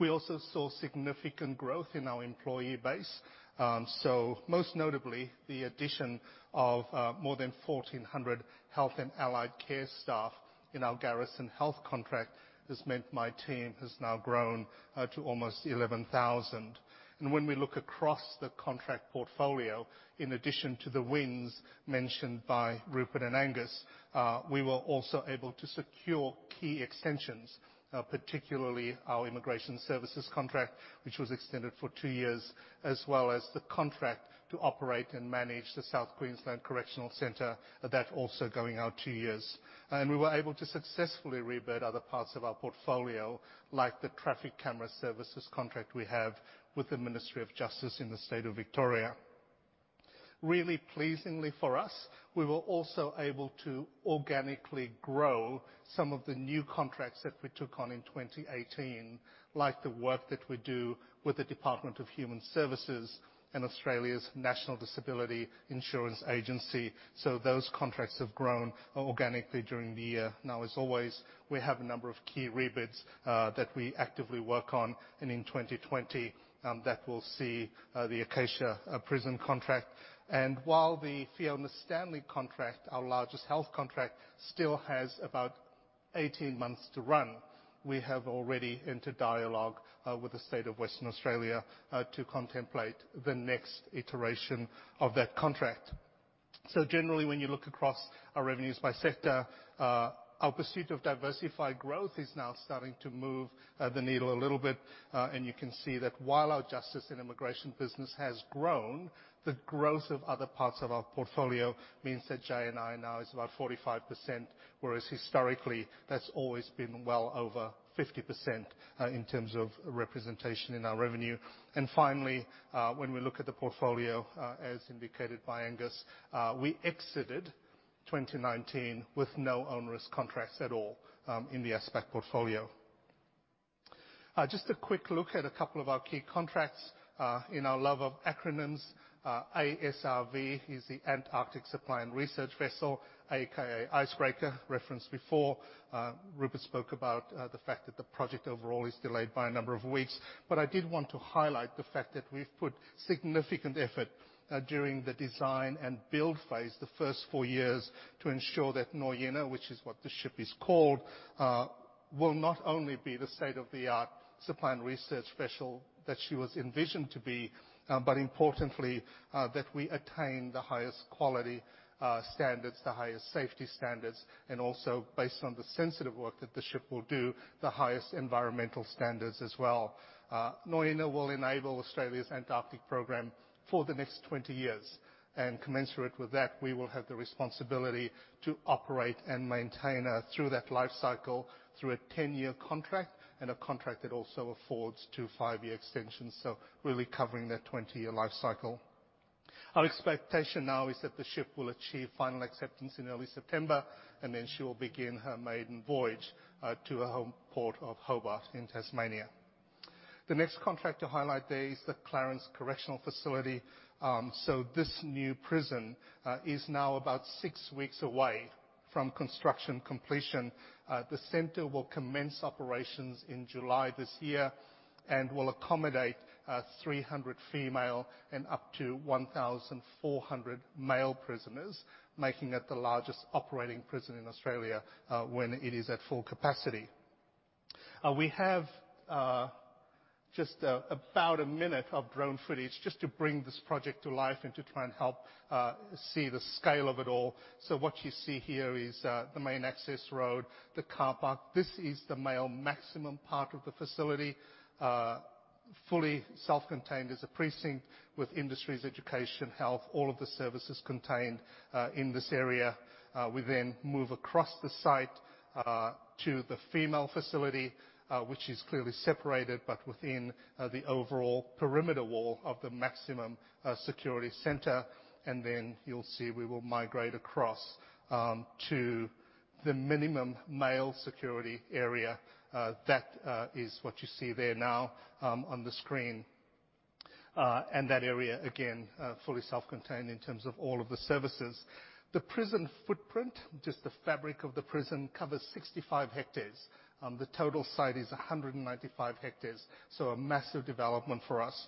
We also saw significant growth in our employee base. Most notably, the addition of more than 1,400 health and allied care staff in our garrison health contract has meant my team has now grown to almost 11,000. When we look across the contract portfolio, in addition to the wins mentioned by Rupert and Angus, we were also able to secure key extensions, particularly our immigration services contract, which was extended for two years, as well as the contract to operate and manage the Southern Queensland Correctional Centre, that also going out two years. We were able to successfully rebid other parts of our portfolio, like the traffic camera services contract we have with the Ministry of Justice in the state of Victoria. Really pleasingly for us, we were also able to organically grow some of the new contracts that we took on in 2018, like the work that we do with the Department of Human Services and Australia's National Disability Insurance Agency. Those contracts have grown organically during the year. As always, we have a number of key rebids that we actively work on. In 2020, that will see the Acacia Prison contract. While the Fiona Stanley contract, our largest health contract, still has about 18 months to run, we have already entered dialogue with the state of Western Australia to contemplate the next iteration of that contract. Generally, when you look across our revenues by sector, our pursuit of diversified growth is now starting to move the needle a little bit. You can see that while our Justice and Immigration business has grown, the growth of other parts of our portfolio means that J&I now is about 45%, whereas historically, that's always been well over 50% in terms of representation in our revenue. Finally, when we look at the portfolio, as indicated by Angus, we exited 2019 with no onerous contracts at all in the ASPAC portfolio. Just a quick look at a couple of our key contracts. In our love of acronyms, ASRV is the Antarctic Supply and Research Vessel, AKA icebreaker, referenced before. Rupert spoke about the fact that the project overall is delayed by a number of weeks. I did want to highlight the fact that we've put significant effort during the design and build phase, the first four years, to ensure that Nuyina, which is what the ship is called, will not only be the state-of-the-art supply and research vessel that she was envisioned to be, but importantly, that we attain the highest quality standards, the highest safety standards, and also, based on the sensitive work that the ship will do, the highest environmental standards as well. Nuyina will enable Australia's Antarctic program for the next 20 years. Commensurate with that, we will have the responsibility to operate and maintain her through that life cycle through a 10-year contract, and a contract that also affords two, five-year extensions, so really covering that 20-year life cycle. Our expectation now is that the ship will achieve final acceptance in early September, and then she will begin her maiden voyage to her home port of Hobart in Tasmania. The next contract to highlight there is the Clarence Correctional Facility. This new prison is now about six weeks away from construction completion. The center will commence operations in July this year and will accommodate 300 female and up to 1,400 male prisoners, making it the largest operating prison in Australia when it is at full capacity. We have just about a minute of drone footage just to bring this project to life and to try and help see the scale of it all. What you see here is the main access road, the car park. This is the male maximum part of the facility. Fully self-contained as a precinct with industries, education, health, all of the services contained in this area. We then move across the site to the female facility, which is clearly separated, but within the overall perimeter wall of the maximum security center. Then you'll see we will migrate across to the minimum male security area. That is what you see there now on the screen. That area, again, fully self-contained in terms of all of the services. The prison footprint, just the fabric of the prison, covers 65 hectares. The total site is 195 hectares, a massive development for us.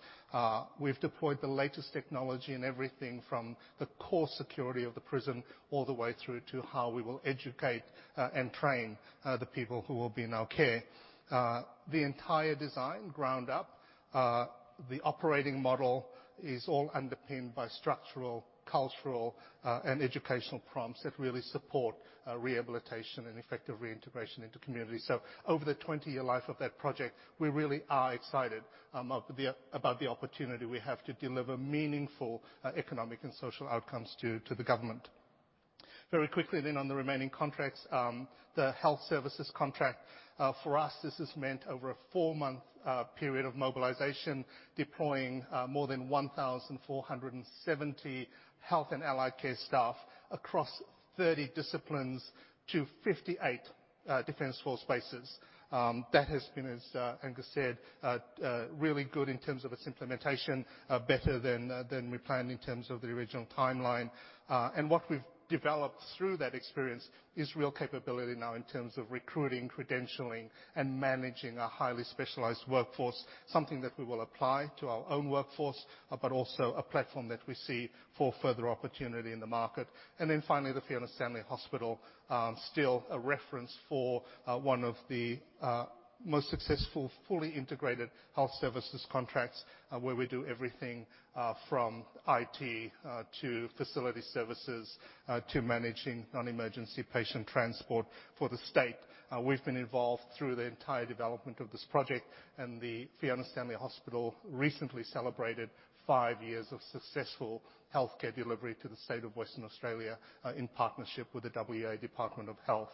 We've deployed the latest technology in everything from the core security of the prison all the way through to how we will educate and train the people who will be in our care. The entire design, ground up, the operating model, is all underpinned by structural, cultural, and educational prompts that really support rehabilitation and effective reintegration into community. Over the 20-year life of that project, we really are excited about the opportunity we have to deliver meaningful economic and social outcomes to the government. Very quickly on the remaining contracts. The health services contract. For us, this has meant over a four-month period of mobilization, deploying more than 1,470 health and allied care staff across 30 disciplines to 58 Defense Force bases. That has been, as Angus said, really good in terms of its implementation, better than we planned in terms of the original timeline. What we've developed through that experience is real capability now in terms of recruiting, credentialing, and managing a highly specialized workforce, something that we will apply to our own workforce, but also a platform that we see for further opportunity in the market. Finally, the Fiona Stanley Hospital, still a reference for one of the most successful fully integrated health services contracts, where we do everything from IT to facility services, to managing non-emergency patient transport for the state. We've been involved through the entire development of this project, and the Fiona Stanley Hospital recently celebrated five years of successful healthcare delivery to the state of Western Australia, in partnership with the WA Department of Health.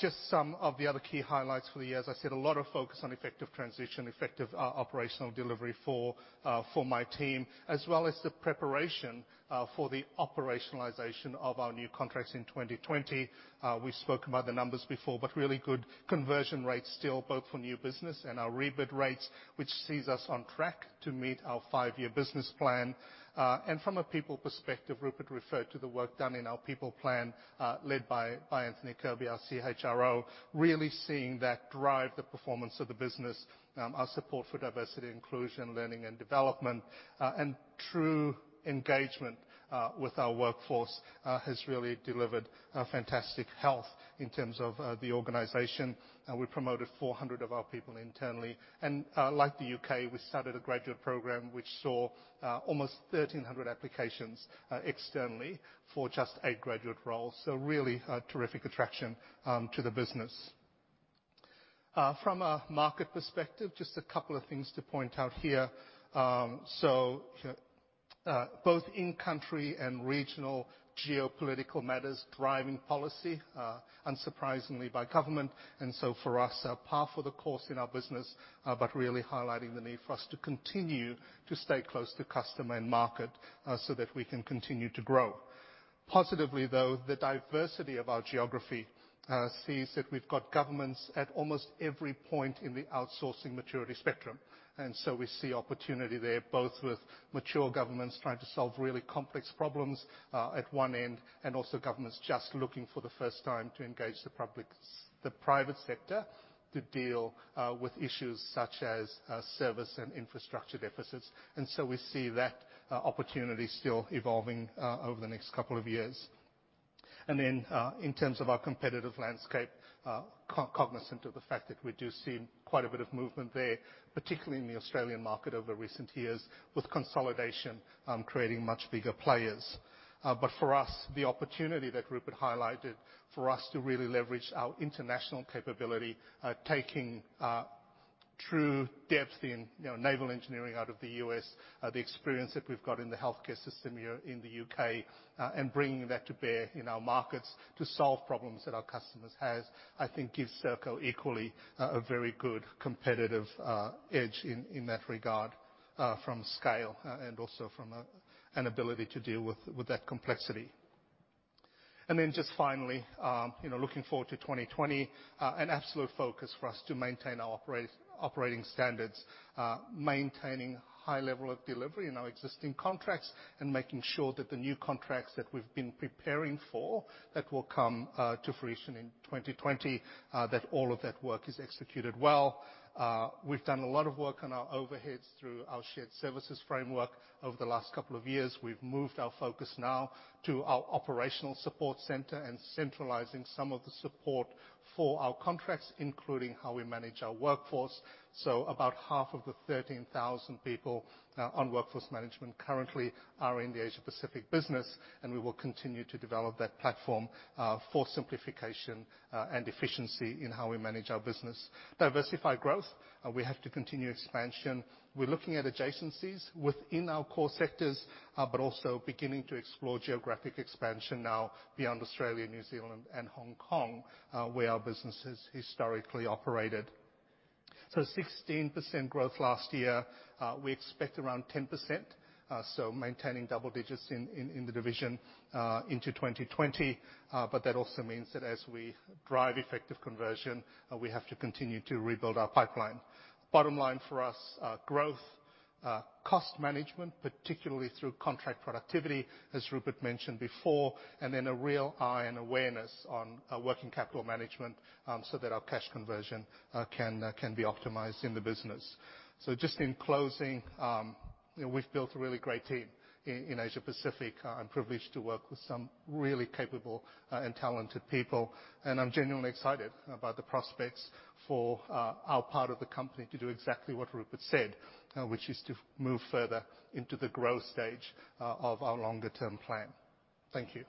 Just some of the other key highlights for the year. A lot of focus on effective transition, effective operational delivery for my team, as well as the preparation for the operationalization of our new contracts in 2020. We've spoken about the numbers before, really good conversion rates still, both for new business and our rebid rates, which sees us on track to meet our five-year business plan. From a people perspective, Rupert referred to the work done in our people plan, led by Anthony Kirby, our CHRO. Really seeing that drive the performance of the business. Our support for diversity, inclusion, learning and development, and true engagement with our workforce has really delivered a fantastic health in terms of the organization. We promoted 400 of our people internally. Like the U.K., we started a graduate program which saw almost 1,300 applications externally for just eight graduate roles. Really, a terrific attraction to the business. From a market perspective, just a couple of things to point out here. Both in country and regional geopolitical matters driving policy, unsurprisingly by government. For us, par for the course in our business, but really highlighting the need for us to continue to stay close to customer and market, so that we can continue to grow. Positively, though, the diversity of our geography sees that we've got governments at almost every point in the outsourcing maturity spectrum. We see opportunity there, both with mature governments trying to solve really complex problems at one end, and also governments just looking for the first time to engage the private sector to deal with issues such as service and infrastructure deficits. We see that opportunity still evolving over the next couple of years. Then, in terms of our competitive landscape, cognizant of the fact that we do see quite a bit of movement there, particularly in the Australian market over recent years, with consolidation creating much bigger players. For us, the opportunity that Rupert highlighted for us to really leverage our international capability, taking true depth in naval engineering out of the U.S., the experience that we've got in the healthcare system here in the U.K., and bringing that to bear in our markets to solve problems that our customers has, I think gives Serco equally a very good competitive edge in that regard, from scale and also from an ability to deal with that complexity. Then just finally, looking forward to 2020, an absolute focus for us to maintain our operating standards. Maintaining high level of delivery in our existing contracts, and making sure that the new contracts that we've been preparing for, that will come to fruition in 2020, that all of that work is executed well. We've done a lot of work on our overheads through our shared services framework over the last couple of years. We've moved our focus now to our operational support center and centralizing some of the support for our contracts, including how we manage our workforce. About half of the 13,000 people on workforce management currently are in the Asia Pacific business. We will continue to develop that platform for simplification and efficiency in how we manage our business. Diversified growth, we have to continue expansion. We're looking at adjacencies within our core sectors, also beginning to explore geographic expansion now beyond Australia, New Zealand, and Hong Kong, where our business has historically operated. 16% growth last year. We expect around 10%, so maintaining double digits in the division, into 2020. That also means that as we drive effective conversion, we have to continue to rebuild our pipeline. Bottom line for us, growth, cost management, particularly through contract productivity as Rupert mentioned before, and then a real eye and awareness on working capital management so that our cash conversion can be optimized in the business. Just in closing, we've built a really great team in Asia Pacific. I'm privileged to work with some really capable and talented people. I'm genuinely excited about the prospects for our part of the company to do exactly what Rupert said, which is to move further into the growth stage of our longer-term plan. Thank you.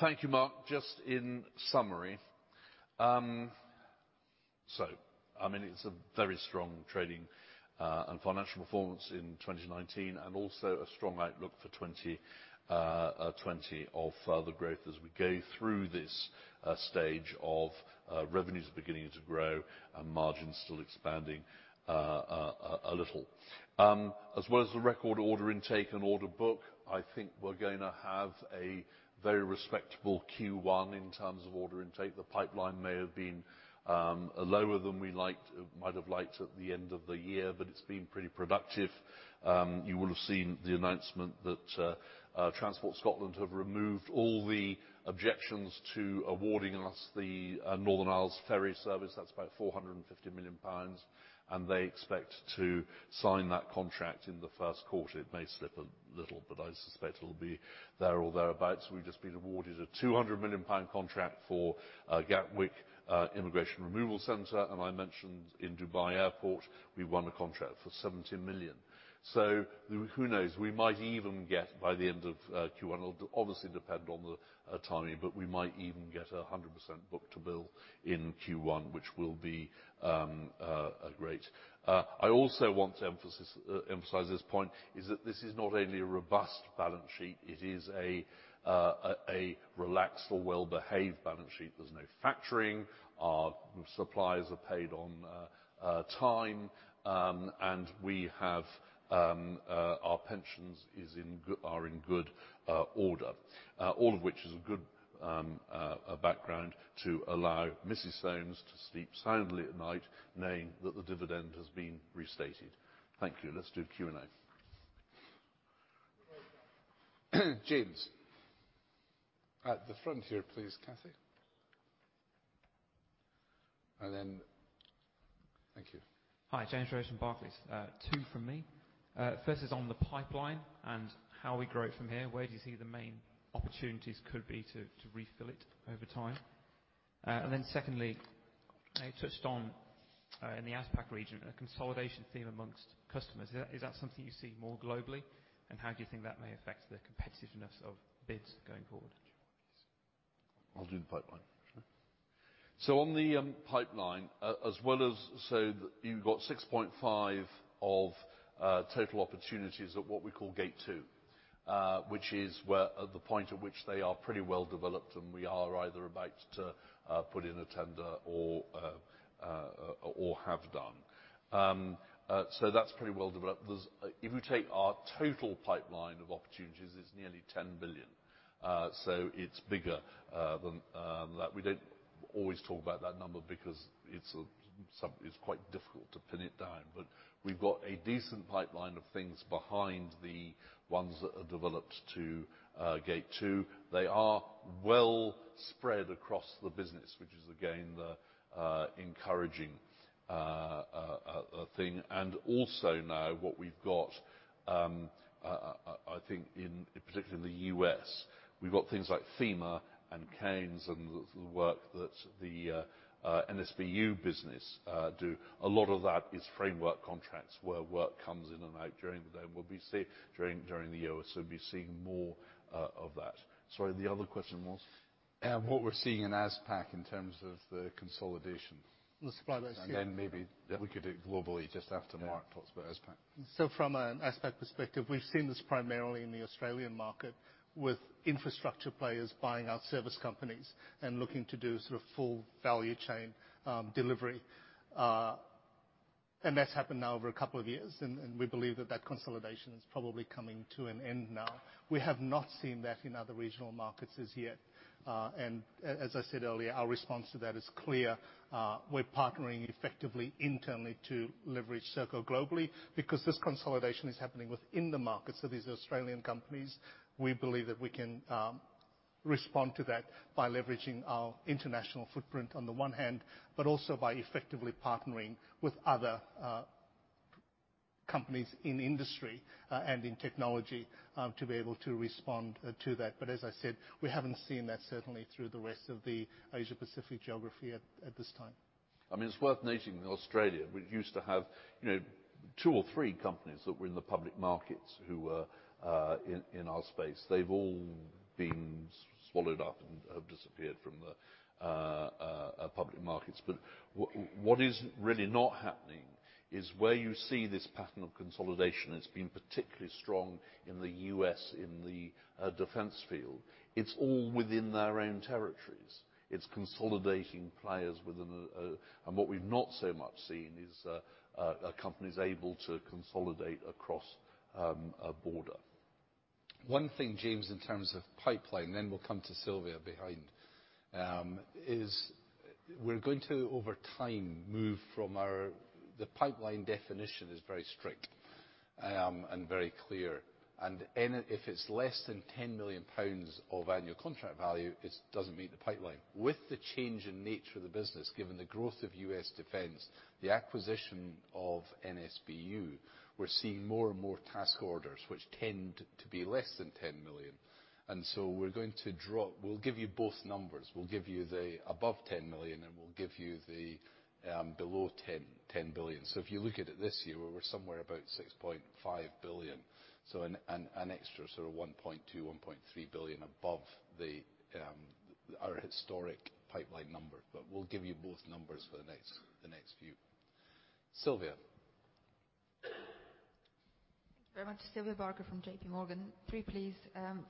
Thank you, Mark. Just in summary, it's a very strong trading and financial performance in 2019, and also a strong outlook for 2020 of further growth as we go through this stage of revenues are beginning to grow and margins still expanding a little. As well as the record order intake and order book, I think we're going to have a very respectable Q1 in terms of order intake. The pipeline may have been lower than we might have liked at the end of the year, it's been pretty productive. You will have seen the announcement that Transport Scotland have removed all the objections to awarding us the Northern Isles ferry service. That's about 450 million pounds. They expect to sign that contract in the first quarter. It may slip a little, but I suspect it'll be there or thereabouts. We've just been awarded a 200 million pound contract for Gatwick Immigration Removal Centre. I mentioned in Dubai Airport, we won a contract for 70 million. Who knows? We might even get by the end of Q1, obviously depend on the timing, but we might even get 100% book-to-bill in Q1, which will be great. I also want to emphasize this point is that this is not only a robust balance sheet, it is a relaxed or well-behaved balance sheet. There's no factoring. Our suppliers are paid on time. Our pensions are in good order. All of which is a good background to allow Camilla Soames to sleep soundly at night, knowing that the dividend has been restated. Thank you. Let's do Q&A. James. At the front here, please, Cathy. Thank you. Hi, James Rosenthal from Barclays. Two from me. First is on the pipeline and how we grow it from here. Where do you see the main opportunities could be to refill it over time? Secondly, you touched on, in the ASPAC region, a consolidation theme amongst customers. Is that something you see more globally? How do you think that may affect the competitiveness of bids going forward? I'll do the pipeline. Sure. On the pipeline, you've got 6.5 billion of total opportunities at what we call gate two, which is at the point at which they are pretty well developed, and we are either about to put in a tender or have done. That's pretty well developed. If you take our total pipeline of opportunities is nearly 10 billion. It's bigger than that. We don't always talk about that number because it's quite difficult to pin it down. We've got a decent pipeline of things behind the ones that are developed to gate two. They are well spread across the business, which is, again, the encouraging thing. Also now what we've got, I think particularly in the U.S., we've got things like FEMA and CANES and the work that the NSBU business do. A lot of that is framework contracts where work comes in and out during the year. We'll be seeing more of that. Sorry, the other question was? What we're seeing in APAC in terms of the consolidation. The supply base, yeah. Maybe we could do globally just after Mark talks about APAC. From an ASPAC perspective, we've seen this primarily in the Australian market with infrastructure players buying out service companies and looking to do sort of full value chain delivery. That's happened now over a couple of years, and we believe that that consolidation is probably coming to an end now. We have not seen that in other regional markets as yet. As I said earlier, our response to that is clear. We're partnering effectively internally to leverage Serco globally because this consolidation is happening within the markets of these Australian companies. We believe that we can respond to that by leveraging our international footprint on the one hand, but also by effectively partnering with other companies in industry, and in technology, to be able to respond to that. As I said, we haven't seen that certainly through the rest of the Asia Pacific geography at this time. It's worth noting that Australia, we used to have two or three companies that were in the public markets who were in our space. They've all been swallowed up and have disappeared from the public markets. What is really not happening is where you see this pattern of consolidation, it's been particularly strong in the U.S. in the defense field. It's all within their own territories. It's consolidating players within. What we've not so much seen is companies able to consolidate across a border. One thing, James, in terms of pipeline, then we'll come to Sylvia behind. The pipeline definition is very strict and very clear. If it's less than 10 million pounds of annual contract value, it doesn't meet the pipeline. With the change in nature of the business, given the growth of U.S. defense, the acquisition of NSBU, we're seeing more and more task orders, which tend to be less than 10 million. We'll give you both numbers. We'll give you the above 10 million, and we'll give you the below 10 billion. If you look at it this year, we're somewhere about 6.5 billion. An extra sort of 1.2 billion-1.3 billion above our historic pipeline number, but we'll give you both numbers for the next few. Sylvia? Thank you very much. Sylvia Barker from J.P. Morgan. Three please.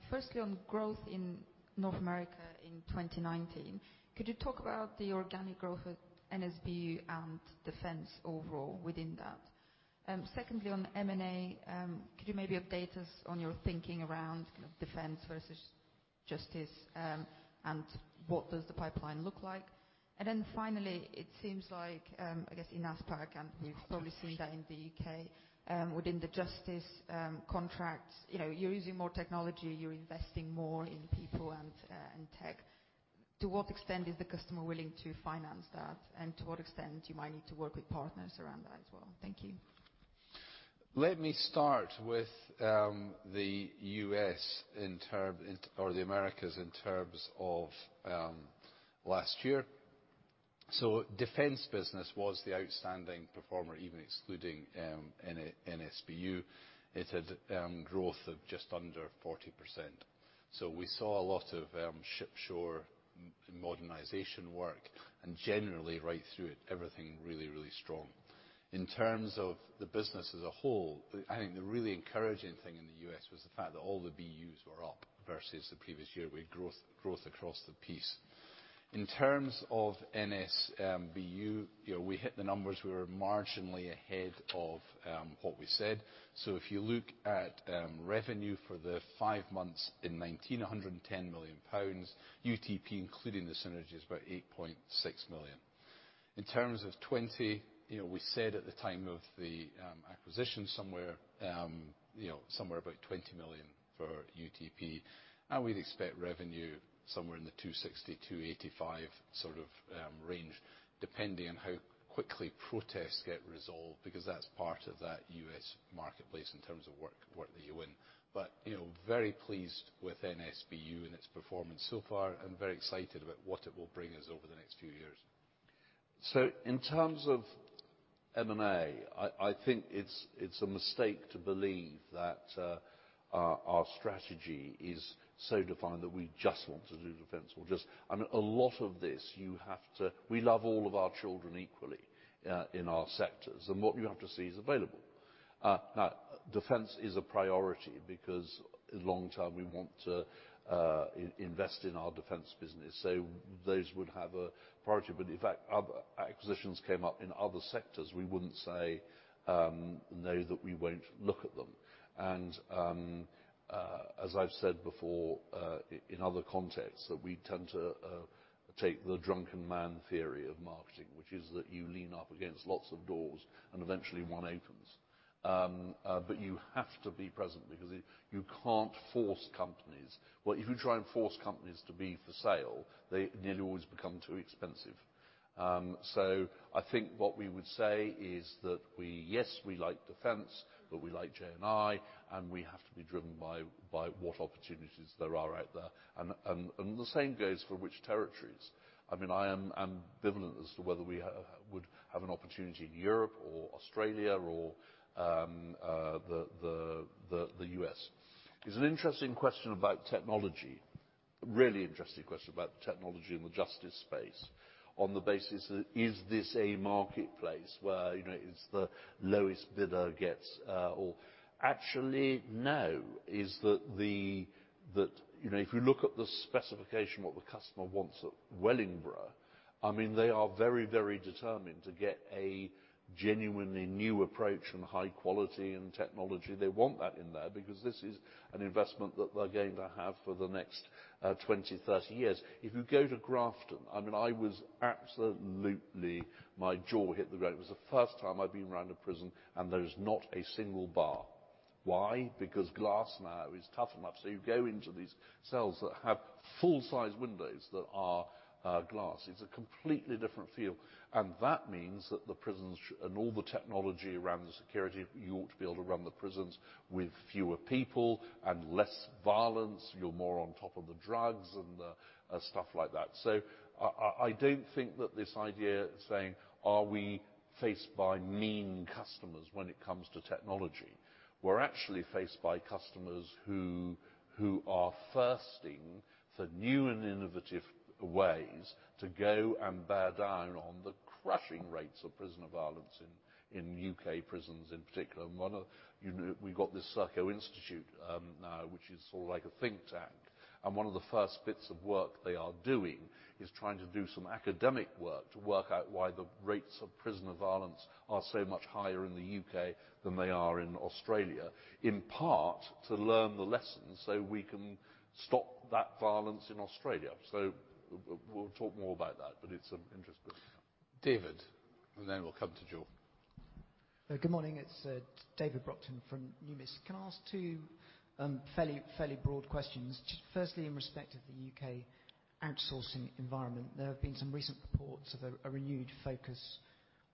Firstly, on growth in North America in 2019, could you talk about the organic growth of NSBU and Defense overall within that? Secondly, on M&A, could you maybe update us on your thinking around kind of Defense versus Justice, what does the pipeline look like? Finally, it seems like, I guess in ASPAC, we've probably seen that in the U.K., within the Justice contracts, you're using more technology, you're investing more in people and tech. To what extent is the customer willing to finance that? To what extent you might need to work with partners around that as well? Thank you. Let me start with the U.S. or the Americas in terms of last year. Defense business was the outstanding performer, even excluding NSBU. It had growth of just under 40%. We saw a lot of ship shore modernization work and generally right through it, everything really strong. In terms of the business as a whole, I think the really encouraging thing in the U.S. was the fact that all the BUs were up versus the previous year. We had growth across the piece. In terms of NSBU, we hit the numbers, we were marginally ahead of what we said. If you look at revenue for the five months in 2019, 110 million pounds, UTP including the synergy is about 8.6 million. In terms of 2020, we said at the time of the acquisition somewhere about 20 million for UTP, and we'd expect revenue somewhere in the 260 million-285 million sort of range, depending on how quickly protests get resolved, because that's part of that U.S. marketplace in terms of work that you win. Very pleased with NSBU and its performance so far, and very excited about what it will bring us over the next few years. In terms of M&A, I think it's a mistake to believe that our strategy is so defined that we just want to do defense. We love all of our children equally in our sectors. What you have to see is available. Defense is a priority because long term we want to invest in our defense business. Those would have a priority. If acquisitions came up in other sectors, we wouldn't say no that we won't look at them. As I've said before in other contexts, that we tend to take the drunken man theory of marketing, which is that you lean up against lots of doors and eventually one opens. You have to be present because you can't force companies. If you try and force companies to be for sale, they nearly always become too expensive. I think what we would say is that yes, we like Defense, but we like J&I, and we have to be driven by what opportunities there are out there. The same goes for which territories. I am ambivalent as to whether we would have an opportunity in Europe or Australia or the U.S. It's an interesting question about technology. Really interesting question about the technology in the justice space on the basis that is this a marketplace where it is the lowest bidder gets or actually, no. If you look at the specification of what the customer wants at Wellingborough, they are very, very determined to get a genuinely new approach and high quality and technology. They want that in there because this is an investment that they're going to have for the next 20, 30 years. If you go to Grafton, my jaw hit the ground. It was the first time I'd been round a prison and there is not a single bar. Why? Glass now is tough enough. You go into these cells that have full size windows that are glass. It's a completely different feel. That means that the prisons and all the technology around the security, you ought to be able to run the prisons with fewer people and less violence. You're more on top of the drugs and stuff like that. I don't think that this idea saying, are we faced by mean customers when it comes to technology? We're actually faced by customers who are thirsting for new and innovative ways to go and bear down on the crushing rates of prisoner violence in U.K. prisons in particular. We got this Serco Institute now, which is sort of like a think tank, and one of the first bits of work they are doing is trying to do some academic work to work out why the rates of prisoner violence are so much higher in the U.K. than they are in Australia, in part to learn the lessons so we can stop that violence in Australia. We'll talk more about that, but it's an interest. David, we'll come to Joe. Good morning. It's David Brockton from Numis. Can I ask two fairly broad questions? Firstly, in respect of the U.K. outsourcing environment, there have been some recent reports of a renewed focus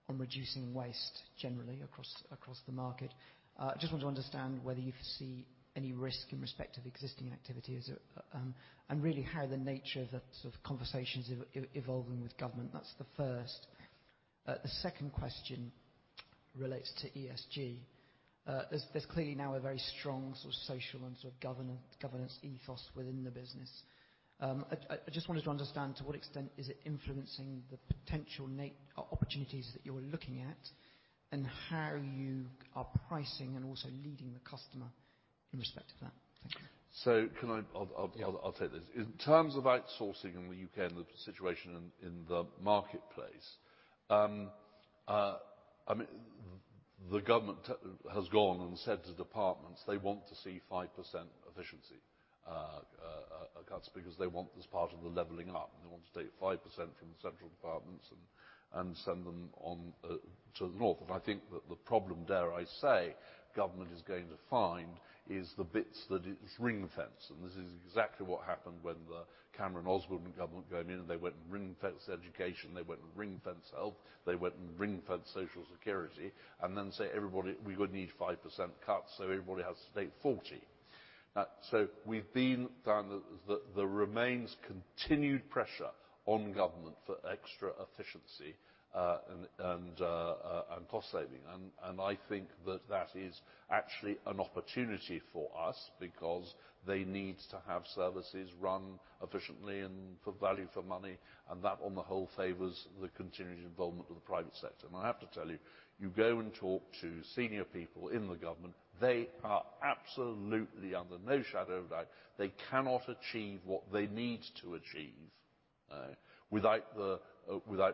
on reducing waste generally across the market. I just want to understand whether you foresee any risk in respect of existing activity and really how the nature of the sort of conversations evolving with government. That's the first. The second question relates to ESG. There's clearly now a very strong social and sort of governance ethos within the business. I just wanted to understand to what extent is it influencing the potential opportunities that you're looking at, and how you are pricing and also leading the customer in respect of that? Thank you. Can I take this. In terms of outsourcing in the U.K. and the situation in the marketplace, the government has gone and said to departments they want to see 5% efficiency cuts because they want this part of the leveling up. They want to take 5% from central departments and send them on to the North. I think that the problem, dare I say, government is going to find is the bits that it ring-fenced, and this is exactly what happened when the Cameron-Osborne government going in and they went and ring-fenced education, they went and ring-fenced health, they went and ring-fenced social security, and then say, "We need 5% cuts, so everybody has to take 40%." We've been down the remains continued pressure on government for extra efficiency and cost saving. I think that that is actually an opportunity for us because they need to have services run efficiently and for value for money, and that on the whole favors the continued involvement of the private sector. I have to tell you go and talk to senior people in the government, they are absolutely, under no shadow of a doubt, they cannot achieve what they need to achieve without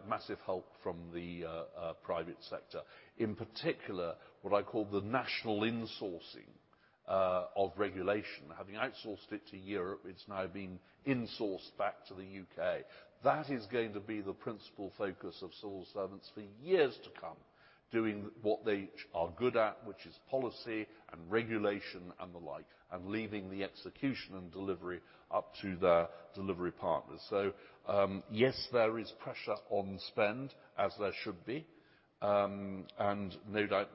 massive help from the private sector. In particular, what I call the national insourcing of regulation. Having outsourced it to Europe, it has now been insourced back to the U.K. That is going to be the principal focus of civil servants for years to come, doing what they are good at, which is policy and regulation and the like, and leaving the execution and delivery up to their delivery partners. Yes, there is pressure on spend as there should be. No doubt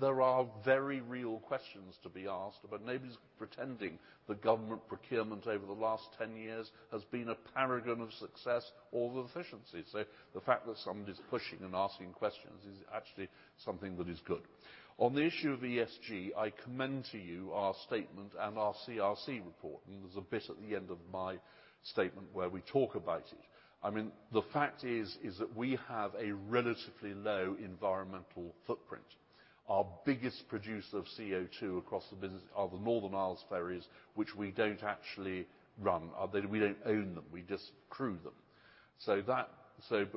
there are very real questions to be asked, but nobody's pretending the government procurement over the last 10 years has been a paragon of success or of efficiency. The fact that somebody's pushing and asking questions is actually something that is good. On the issue of ESG, I commend to you our statement and our CSR report, and there's a bit at the end of my statement where we talk about it. The fact is that we have a relatively low environmental footprint. Our biggest producer of CO2 across the business are the Northern Isles ferries, which we don't actually run. We don't own them. We just crew them.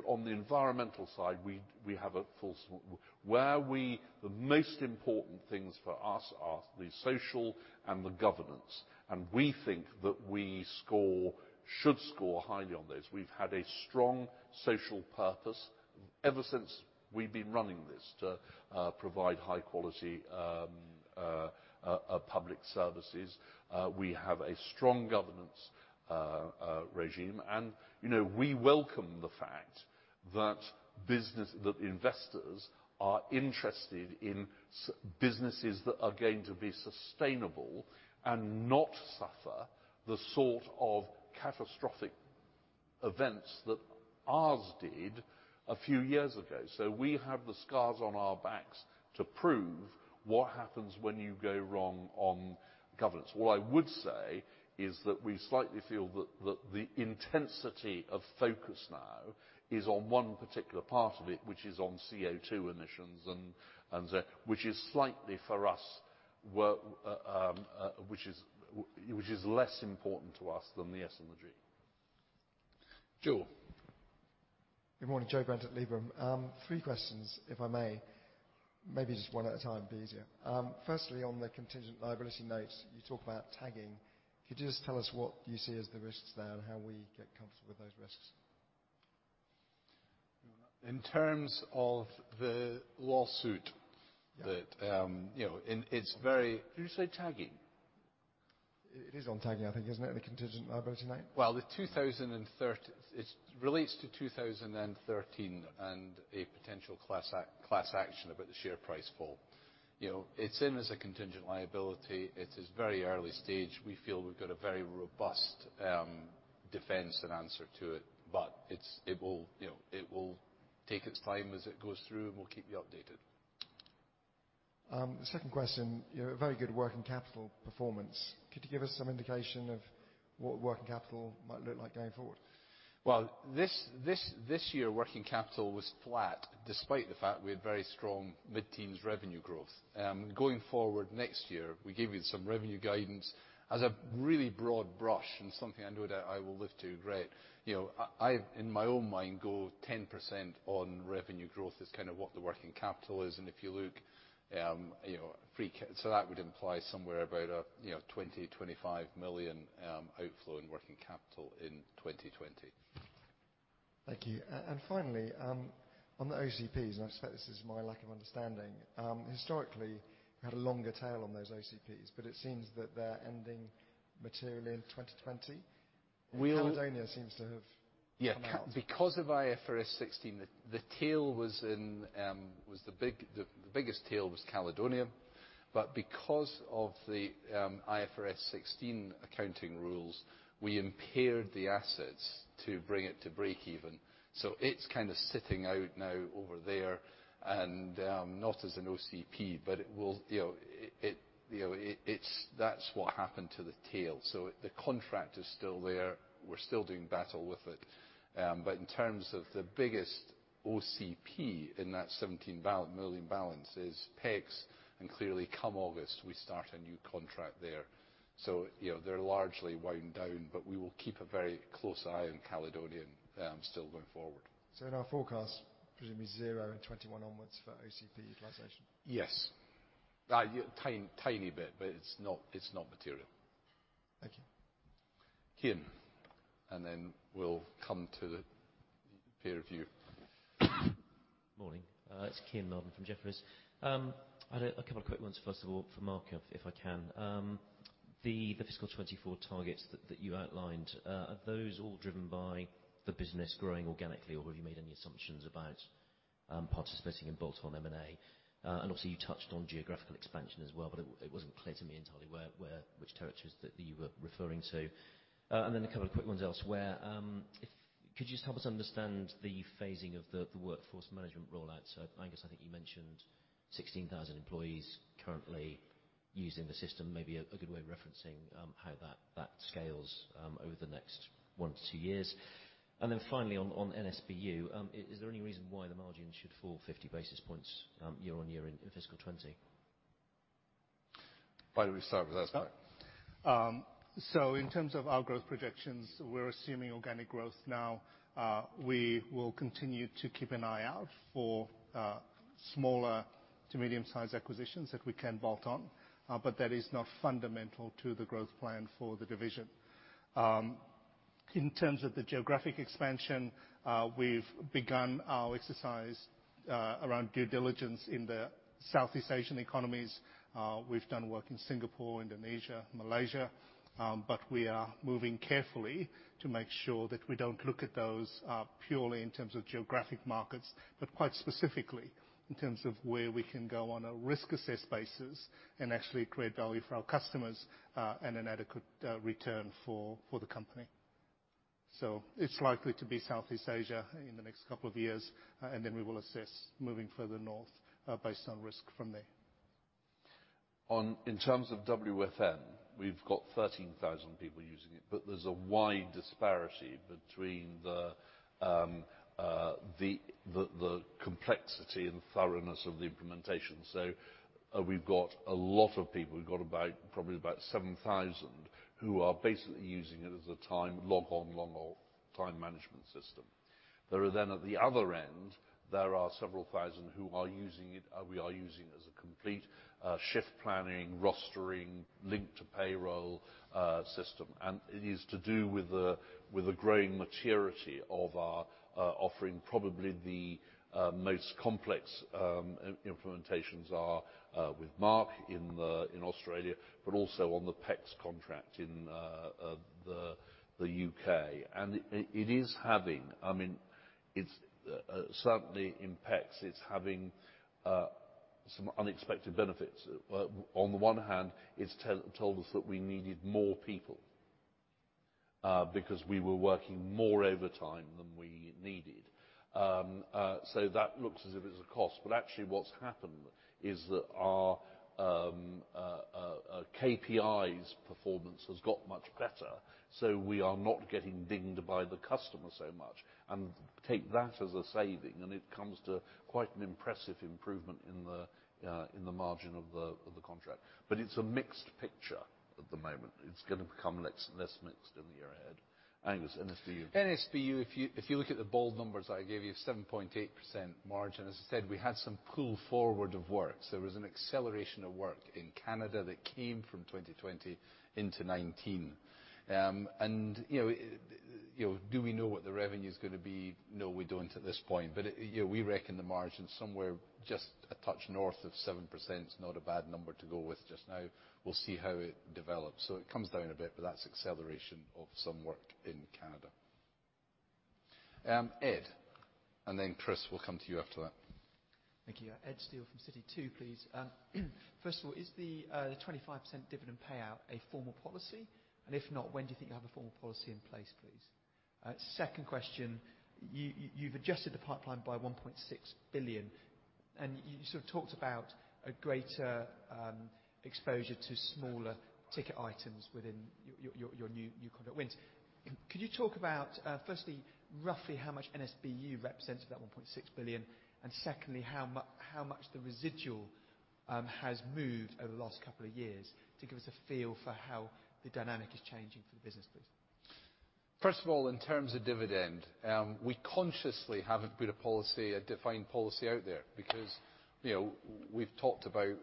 On the environmental side, we have the most important things for us are the social and the governance, and we think that we should score highly on those. We've had a strong social purpose ever since we've been running this to provide high-quality public services. We have a strong governance regime, and we welcome the fact that investors are interested in businesses that are going to be sustainable and not suffer the sort of catastrophic events that ours did a few years ago. We have the scars on our backs to prove what happens when you go wrong on governance. What I would say is that we slightly feel that the intensity of focus now is on one particular part of it, which is on CO2 emissions, which is slightly for us, which is less important to us than the S and the G. Joe? Good morning. Joe Brent at Liberum. Three questions, if I may. Maybe just one at a time it'd be easier. Firstly, on the contingent liability notes, you talk about tagging. Could you just tell us what you see as the risks there and how we get comfortable with those risks? In terms of the lawsuit. Did you say tagging? It is on tagging, I think, isn't it? The contingent liability note. Well, it relates to 2013 and a potential class action about the share price fall. It's in as a contingent liability. It is very early stage. We feel we've got a very robust defense and answer to it, but it will take its time as it goes through, and we'll keep you updated. Second question. Very good working capital performance. Could you give us some indication of what working capital might look like going forward? Well, this year, working capital was flat despite the fact we had very strong mid-teens revenue growth. Going forward next year, we gave you some revenue guidance. As a really broad brush and something I know that I will live to regret, I, in my own mind, go 10% on revenue growth is kind of what the working capital is, and if you look, so that would imply somewhere about a 20 million-25 million outflow in working capital in 2020. Thank you. Finally, on the OCPs, I suspect this is my lack of understanding. Historically, you had a longer tail on those OCPs. It seems that they're ending materially in 2020. We'll- Caledonian seems to have come out. Because of IFRS 16, the biggest tail was Caledonian. Because of the IFRS 16 accounting rules. We impaired the assets to bring it to breakeven. It's kind of sitting out now over there, and not as an OCP. That's what happened to the tail. The contract is still there. We're still doing battle with it. In terms of the biggest OCP in that 17 million balance is PECS, and clearly come August, we start a new contract there. They're largely wound down, but we will keep a very close eye on Caledonian still going forward. In our forecast, presumably zero in 2021 onwards for OCP utilization. Yes. A tiny bit, but it's not material. Thank you. Kean. We'll come to the peer review. Morning. It's Kean Marden from Jefferies. I had a couple of quick ones, first of all for Mark, if I can. The fiscal 2024 targets that you outlined, are those all driven by the business growing organically, or have you made any assumptions about participating in bolt-on M&A? Obviously, you touched on geographical expansion as well, but it wasn't clear to me entirely which territories that you were referring to. A couple of quick ones elsewhere. Could you just help us understand the phasing of the workforce management rollout? Angus, I think you mentioned 16,000 employees currently using the system. Maybe a good way of referencing how that scales over the next one to two years. Finally on NSBU, is there any reason why the margin should fall 50 basis points year-on-year in fiscal 2020? Why don't we start with Angus? In terms of our growth projections, we're assuming organic growth now. We will continue to keep an eye out for smaller to medium-sized acquisitions that we can bolt on. That is not fundamental to the growth plan for the division. In terms of the geographic expansion, we've begun our exercise around due diligence in the Southeast Asian economies. We've done work in Singapore, Indonesia, Malaysia. We are moving carefully to make sure that we don't look at those purely in terms of geographic markets, but quite specifically in terms of where we can go on a risk-assessed basis and actually create value for our customers, and an adequate return for the company. It's likely to be Southeast Asia in the next couple of years, and then we will assess moving further north, based on risk from there. In terms of WFM, we've got 13,000 people using it, but there's a wide disparity between the complexity and thoroughness of the implementation. We've got a lot of people, we've got probably about 7,000, who are basically using it as a log-on, log-off time management system. There are then at the other end, there are several thousand who we are using as a complete shift planning, rostering, linked to payroll system. It is to do with the growing maturity of our offering. Probably the most complex implementations are with Mark in Australia, but also on the PECS contract in the U.K. Certainly in PECS, it's having some unexpected benefits. On the one hand, it's told us that we needed more people because we were working more overtime than we needed. That looks as if it's a cost, but actually what's happened is that our KPIs performance has got much better, so we are not getting dinged by the customer so much. Take that as a saving, and it comes to quite an impressive improvement in the margin of the contract. It's a mixed picture at the moment. It's going to become less mixed in the year ahead. Angus, NSBU. NSBU, if you look at the bold numbers I gave you, 7.8% margin. As I said, we had some pull forward of work. There was an acceleration of work in Canada that came from 2020 into 2019. Do we know what the revenue's going to be? No, we don't at this point. We reckon the margin somewhere just a touch north of 7% is not a bad number to go with just now. We'll see how it develops. It comes down a bit, but that's acceleration of some work in Canada. Ed, then Chris, we'll come to you after that. Thank you. Ed Steele from Citi, two please. First of all, is the 25% dividend payout a formal policy? If not, when do you think you'll have a formal policy in place, please? Second question, you've adjusted the pipeline by 1.6 billion. You sort of talked about a greater exposure to smaller ticket items within your new conduct wins. Could you talk about, firstly, roughly how much NSBU represents of that 1.6 billion? Secondly, how much the residual has moved over the last couple of years to give us a feel for how the dynamic is changing for the business, please? First of all, in terms of dividend, we consciously haven't put a defined policy out there. We've talked about,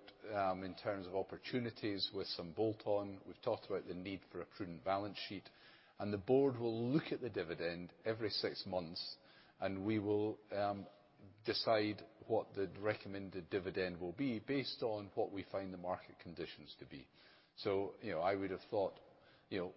in terms of opportunities with some bolt-on, we've talked about the need for a prudent balance sheet. The board will look at the dividend every six months, and we will decide what the recommended dividend will be based on what we find the market conditions to be. I would have thought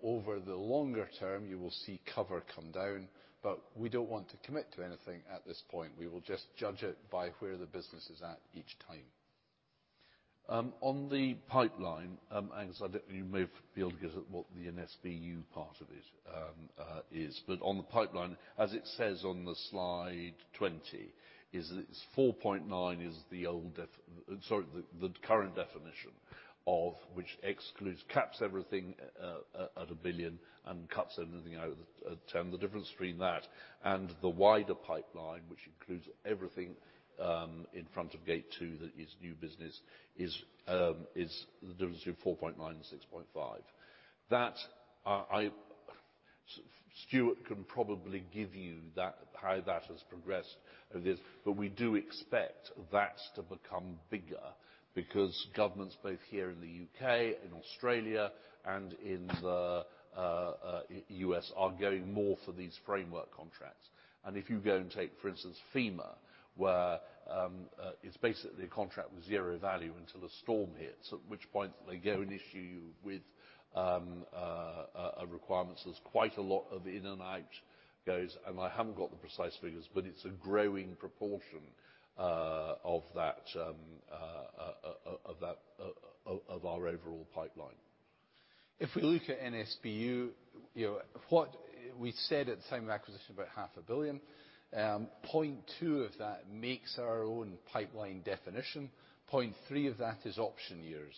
over the longer term, you will see cover come down, but we don't want to commit to anything at this point. We will just judge it by where the business is at each time. On the pipeline, Angus, you may be able to give us what the NSBU part of it is. On the pipeline, as it says on slide 20, is that it's 4.9 billion is the old def. Sorry, the current definition of which excludes, caps everything at a billion and cuts everything out at 10 billion. The difference between that and the wider pipeline, which includes everything in front of gate two that is new business, is the difference between 4.9 billion and 6.5 billion. Stuart can probably give you how that has progressed. We do expect that to become bigger because governments, both here in the U.K., in Australia, and in the U.S., are going more for these framework contracts. If you go and take, for instance, FEMA, where it's basically a contract with zero value until a storm hits, at which point they go and issue you with requirements. There's quite a lot of in and out goes, and I haven't got the precise figures, but it's a growing proportion of our overall pipeline. If we look at NSBU, what we said at the time of acquisition, about half a billion GBP. Point two of that makes our own pipeline definition. Point three of that is option years.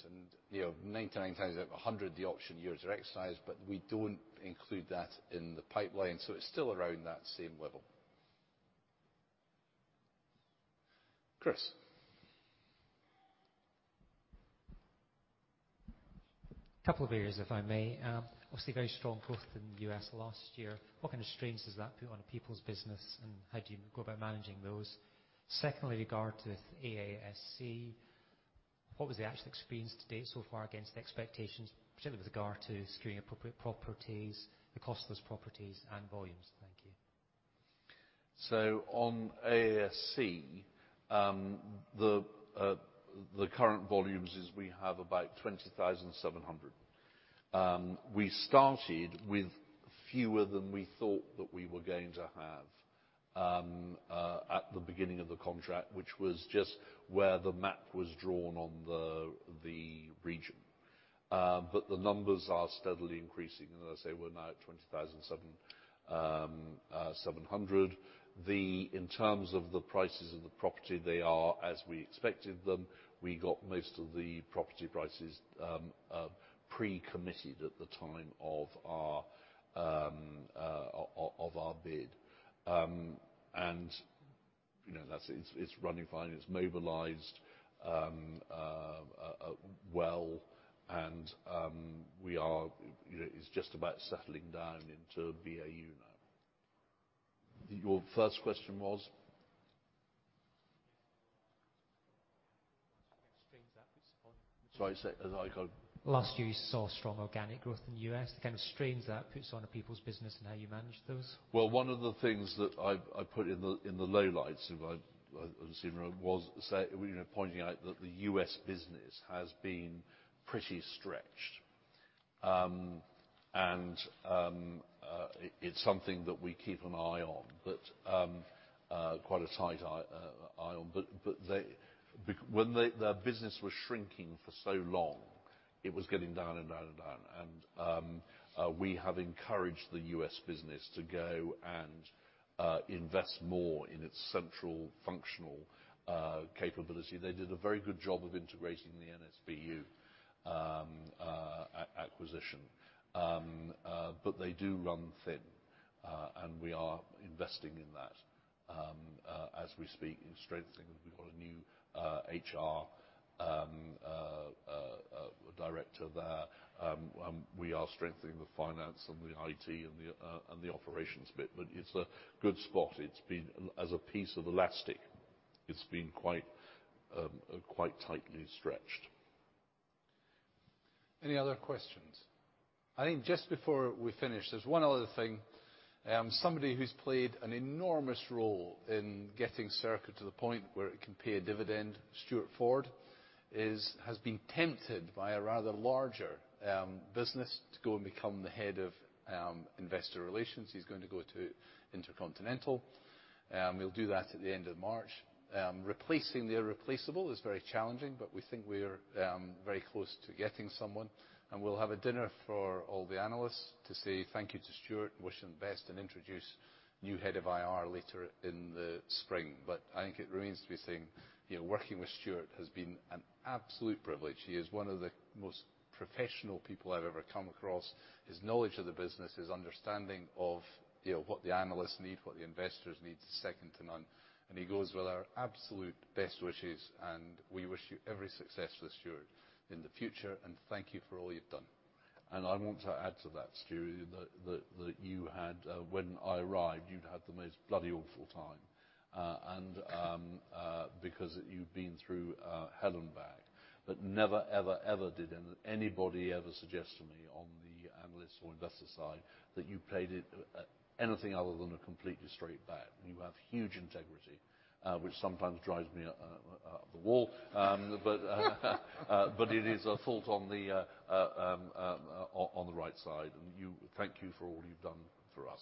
99 times out of 100 the option years are exercised, but we don't include that in the pipeline, so it's still around that same level. Chris. Couple of areas, if I may. Obviously very strong growth in the U.S. last year. What kind of strains does that put on a people's business, and how do you go about managing those? Secondly, regard to AASC, what was the actual experience to date so far against the expectations, particularly with regard to securing appropriate properties, the cost of those properties and volumes? Thank you. On AASC, the current volumes is we have about 20,700. We started with fewer than we thought that we were going to have at the beginning of the contract, which was just where the map was drawn on the region. The numbers are steadily increasing, and as I say, we're now at 20,700. In terms of the prices of the property, they are as we expected them. We got most of the property prices pre-committed at the time of our bid. It's running fine. It's mobilized well, and it's just about settling down into BAU now. Your first question was? The strains that puts on. Sorry, say it again. Last year you saw strong organic growth in the U.S. The kind of strains that puts on a people's business and how you manage those. Well, one of the things that I put in the lowlights of this year was pointing out that the U.S. business has been pretty stretched. It's something that we keep an eye on, quite a tight eye on. When their business was shrinking for so long, it was getting down and down and down. We have encouraged the U.S. business to go and invest more in its central functional capability. They did a very good job of integrating the NSBU acquisition. They do run thin. We are investing in that as we speak, in strengthening. We've got a new HR director there. We are strengthening the finance and the IT and the operations bit, but it's a good spot. As a piece of elastic, it's been quite tightly stretched. Any other questions? I think just before we finish, there's one other thing. Somebody who's played an enormous role in getting Serco to the point where it can pay a dividend, Stuart Ford, has been tempted by a rather larger business to go and become the head of investor relations. He's going to go to InterContinental. He'll do that at the end of March. Replacing the irreplaceable is very challenging, but we think we're very close to getting someone. We'll have a dinner for all the analysts to say thank you to Stuart and wish him the best and introduce new head of IR later in the spring. I think it remains to be seen. Working with Stuart has been an absolute privilege. He is one of the most professional people I've ever come across. His knowledge of the business, his understanding of what the analysts need, what the investors need is second to none. He goes with our absolute best wishes, and we wish you every success for this Stuart in the future. Thank you for all you've done. I want to add to that, Stuart, that when I arrived, you'd had the most bloody awful time. Because you'd been through hell and back, but never ever did anybody ever suggest to me on the analysts or investor side that you played it anything other than a completely straight bat. You have huge integrity which sometimes drives me up the wall. It is a fault on the right side. Thank you for all you've done for us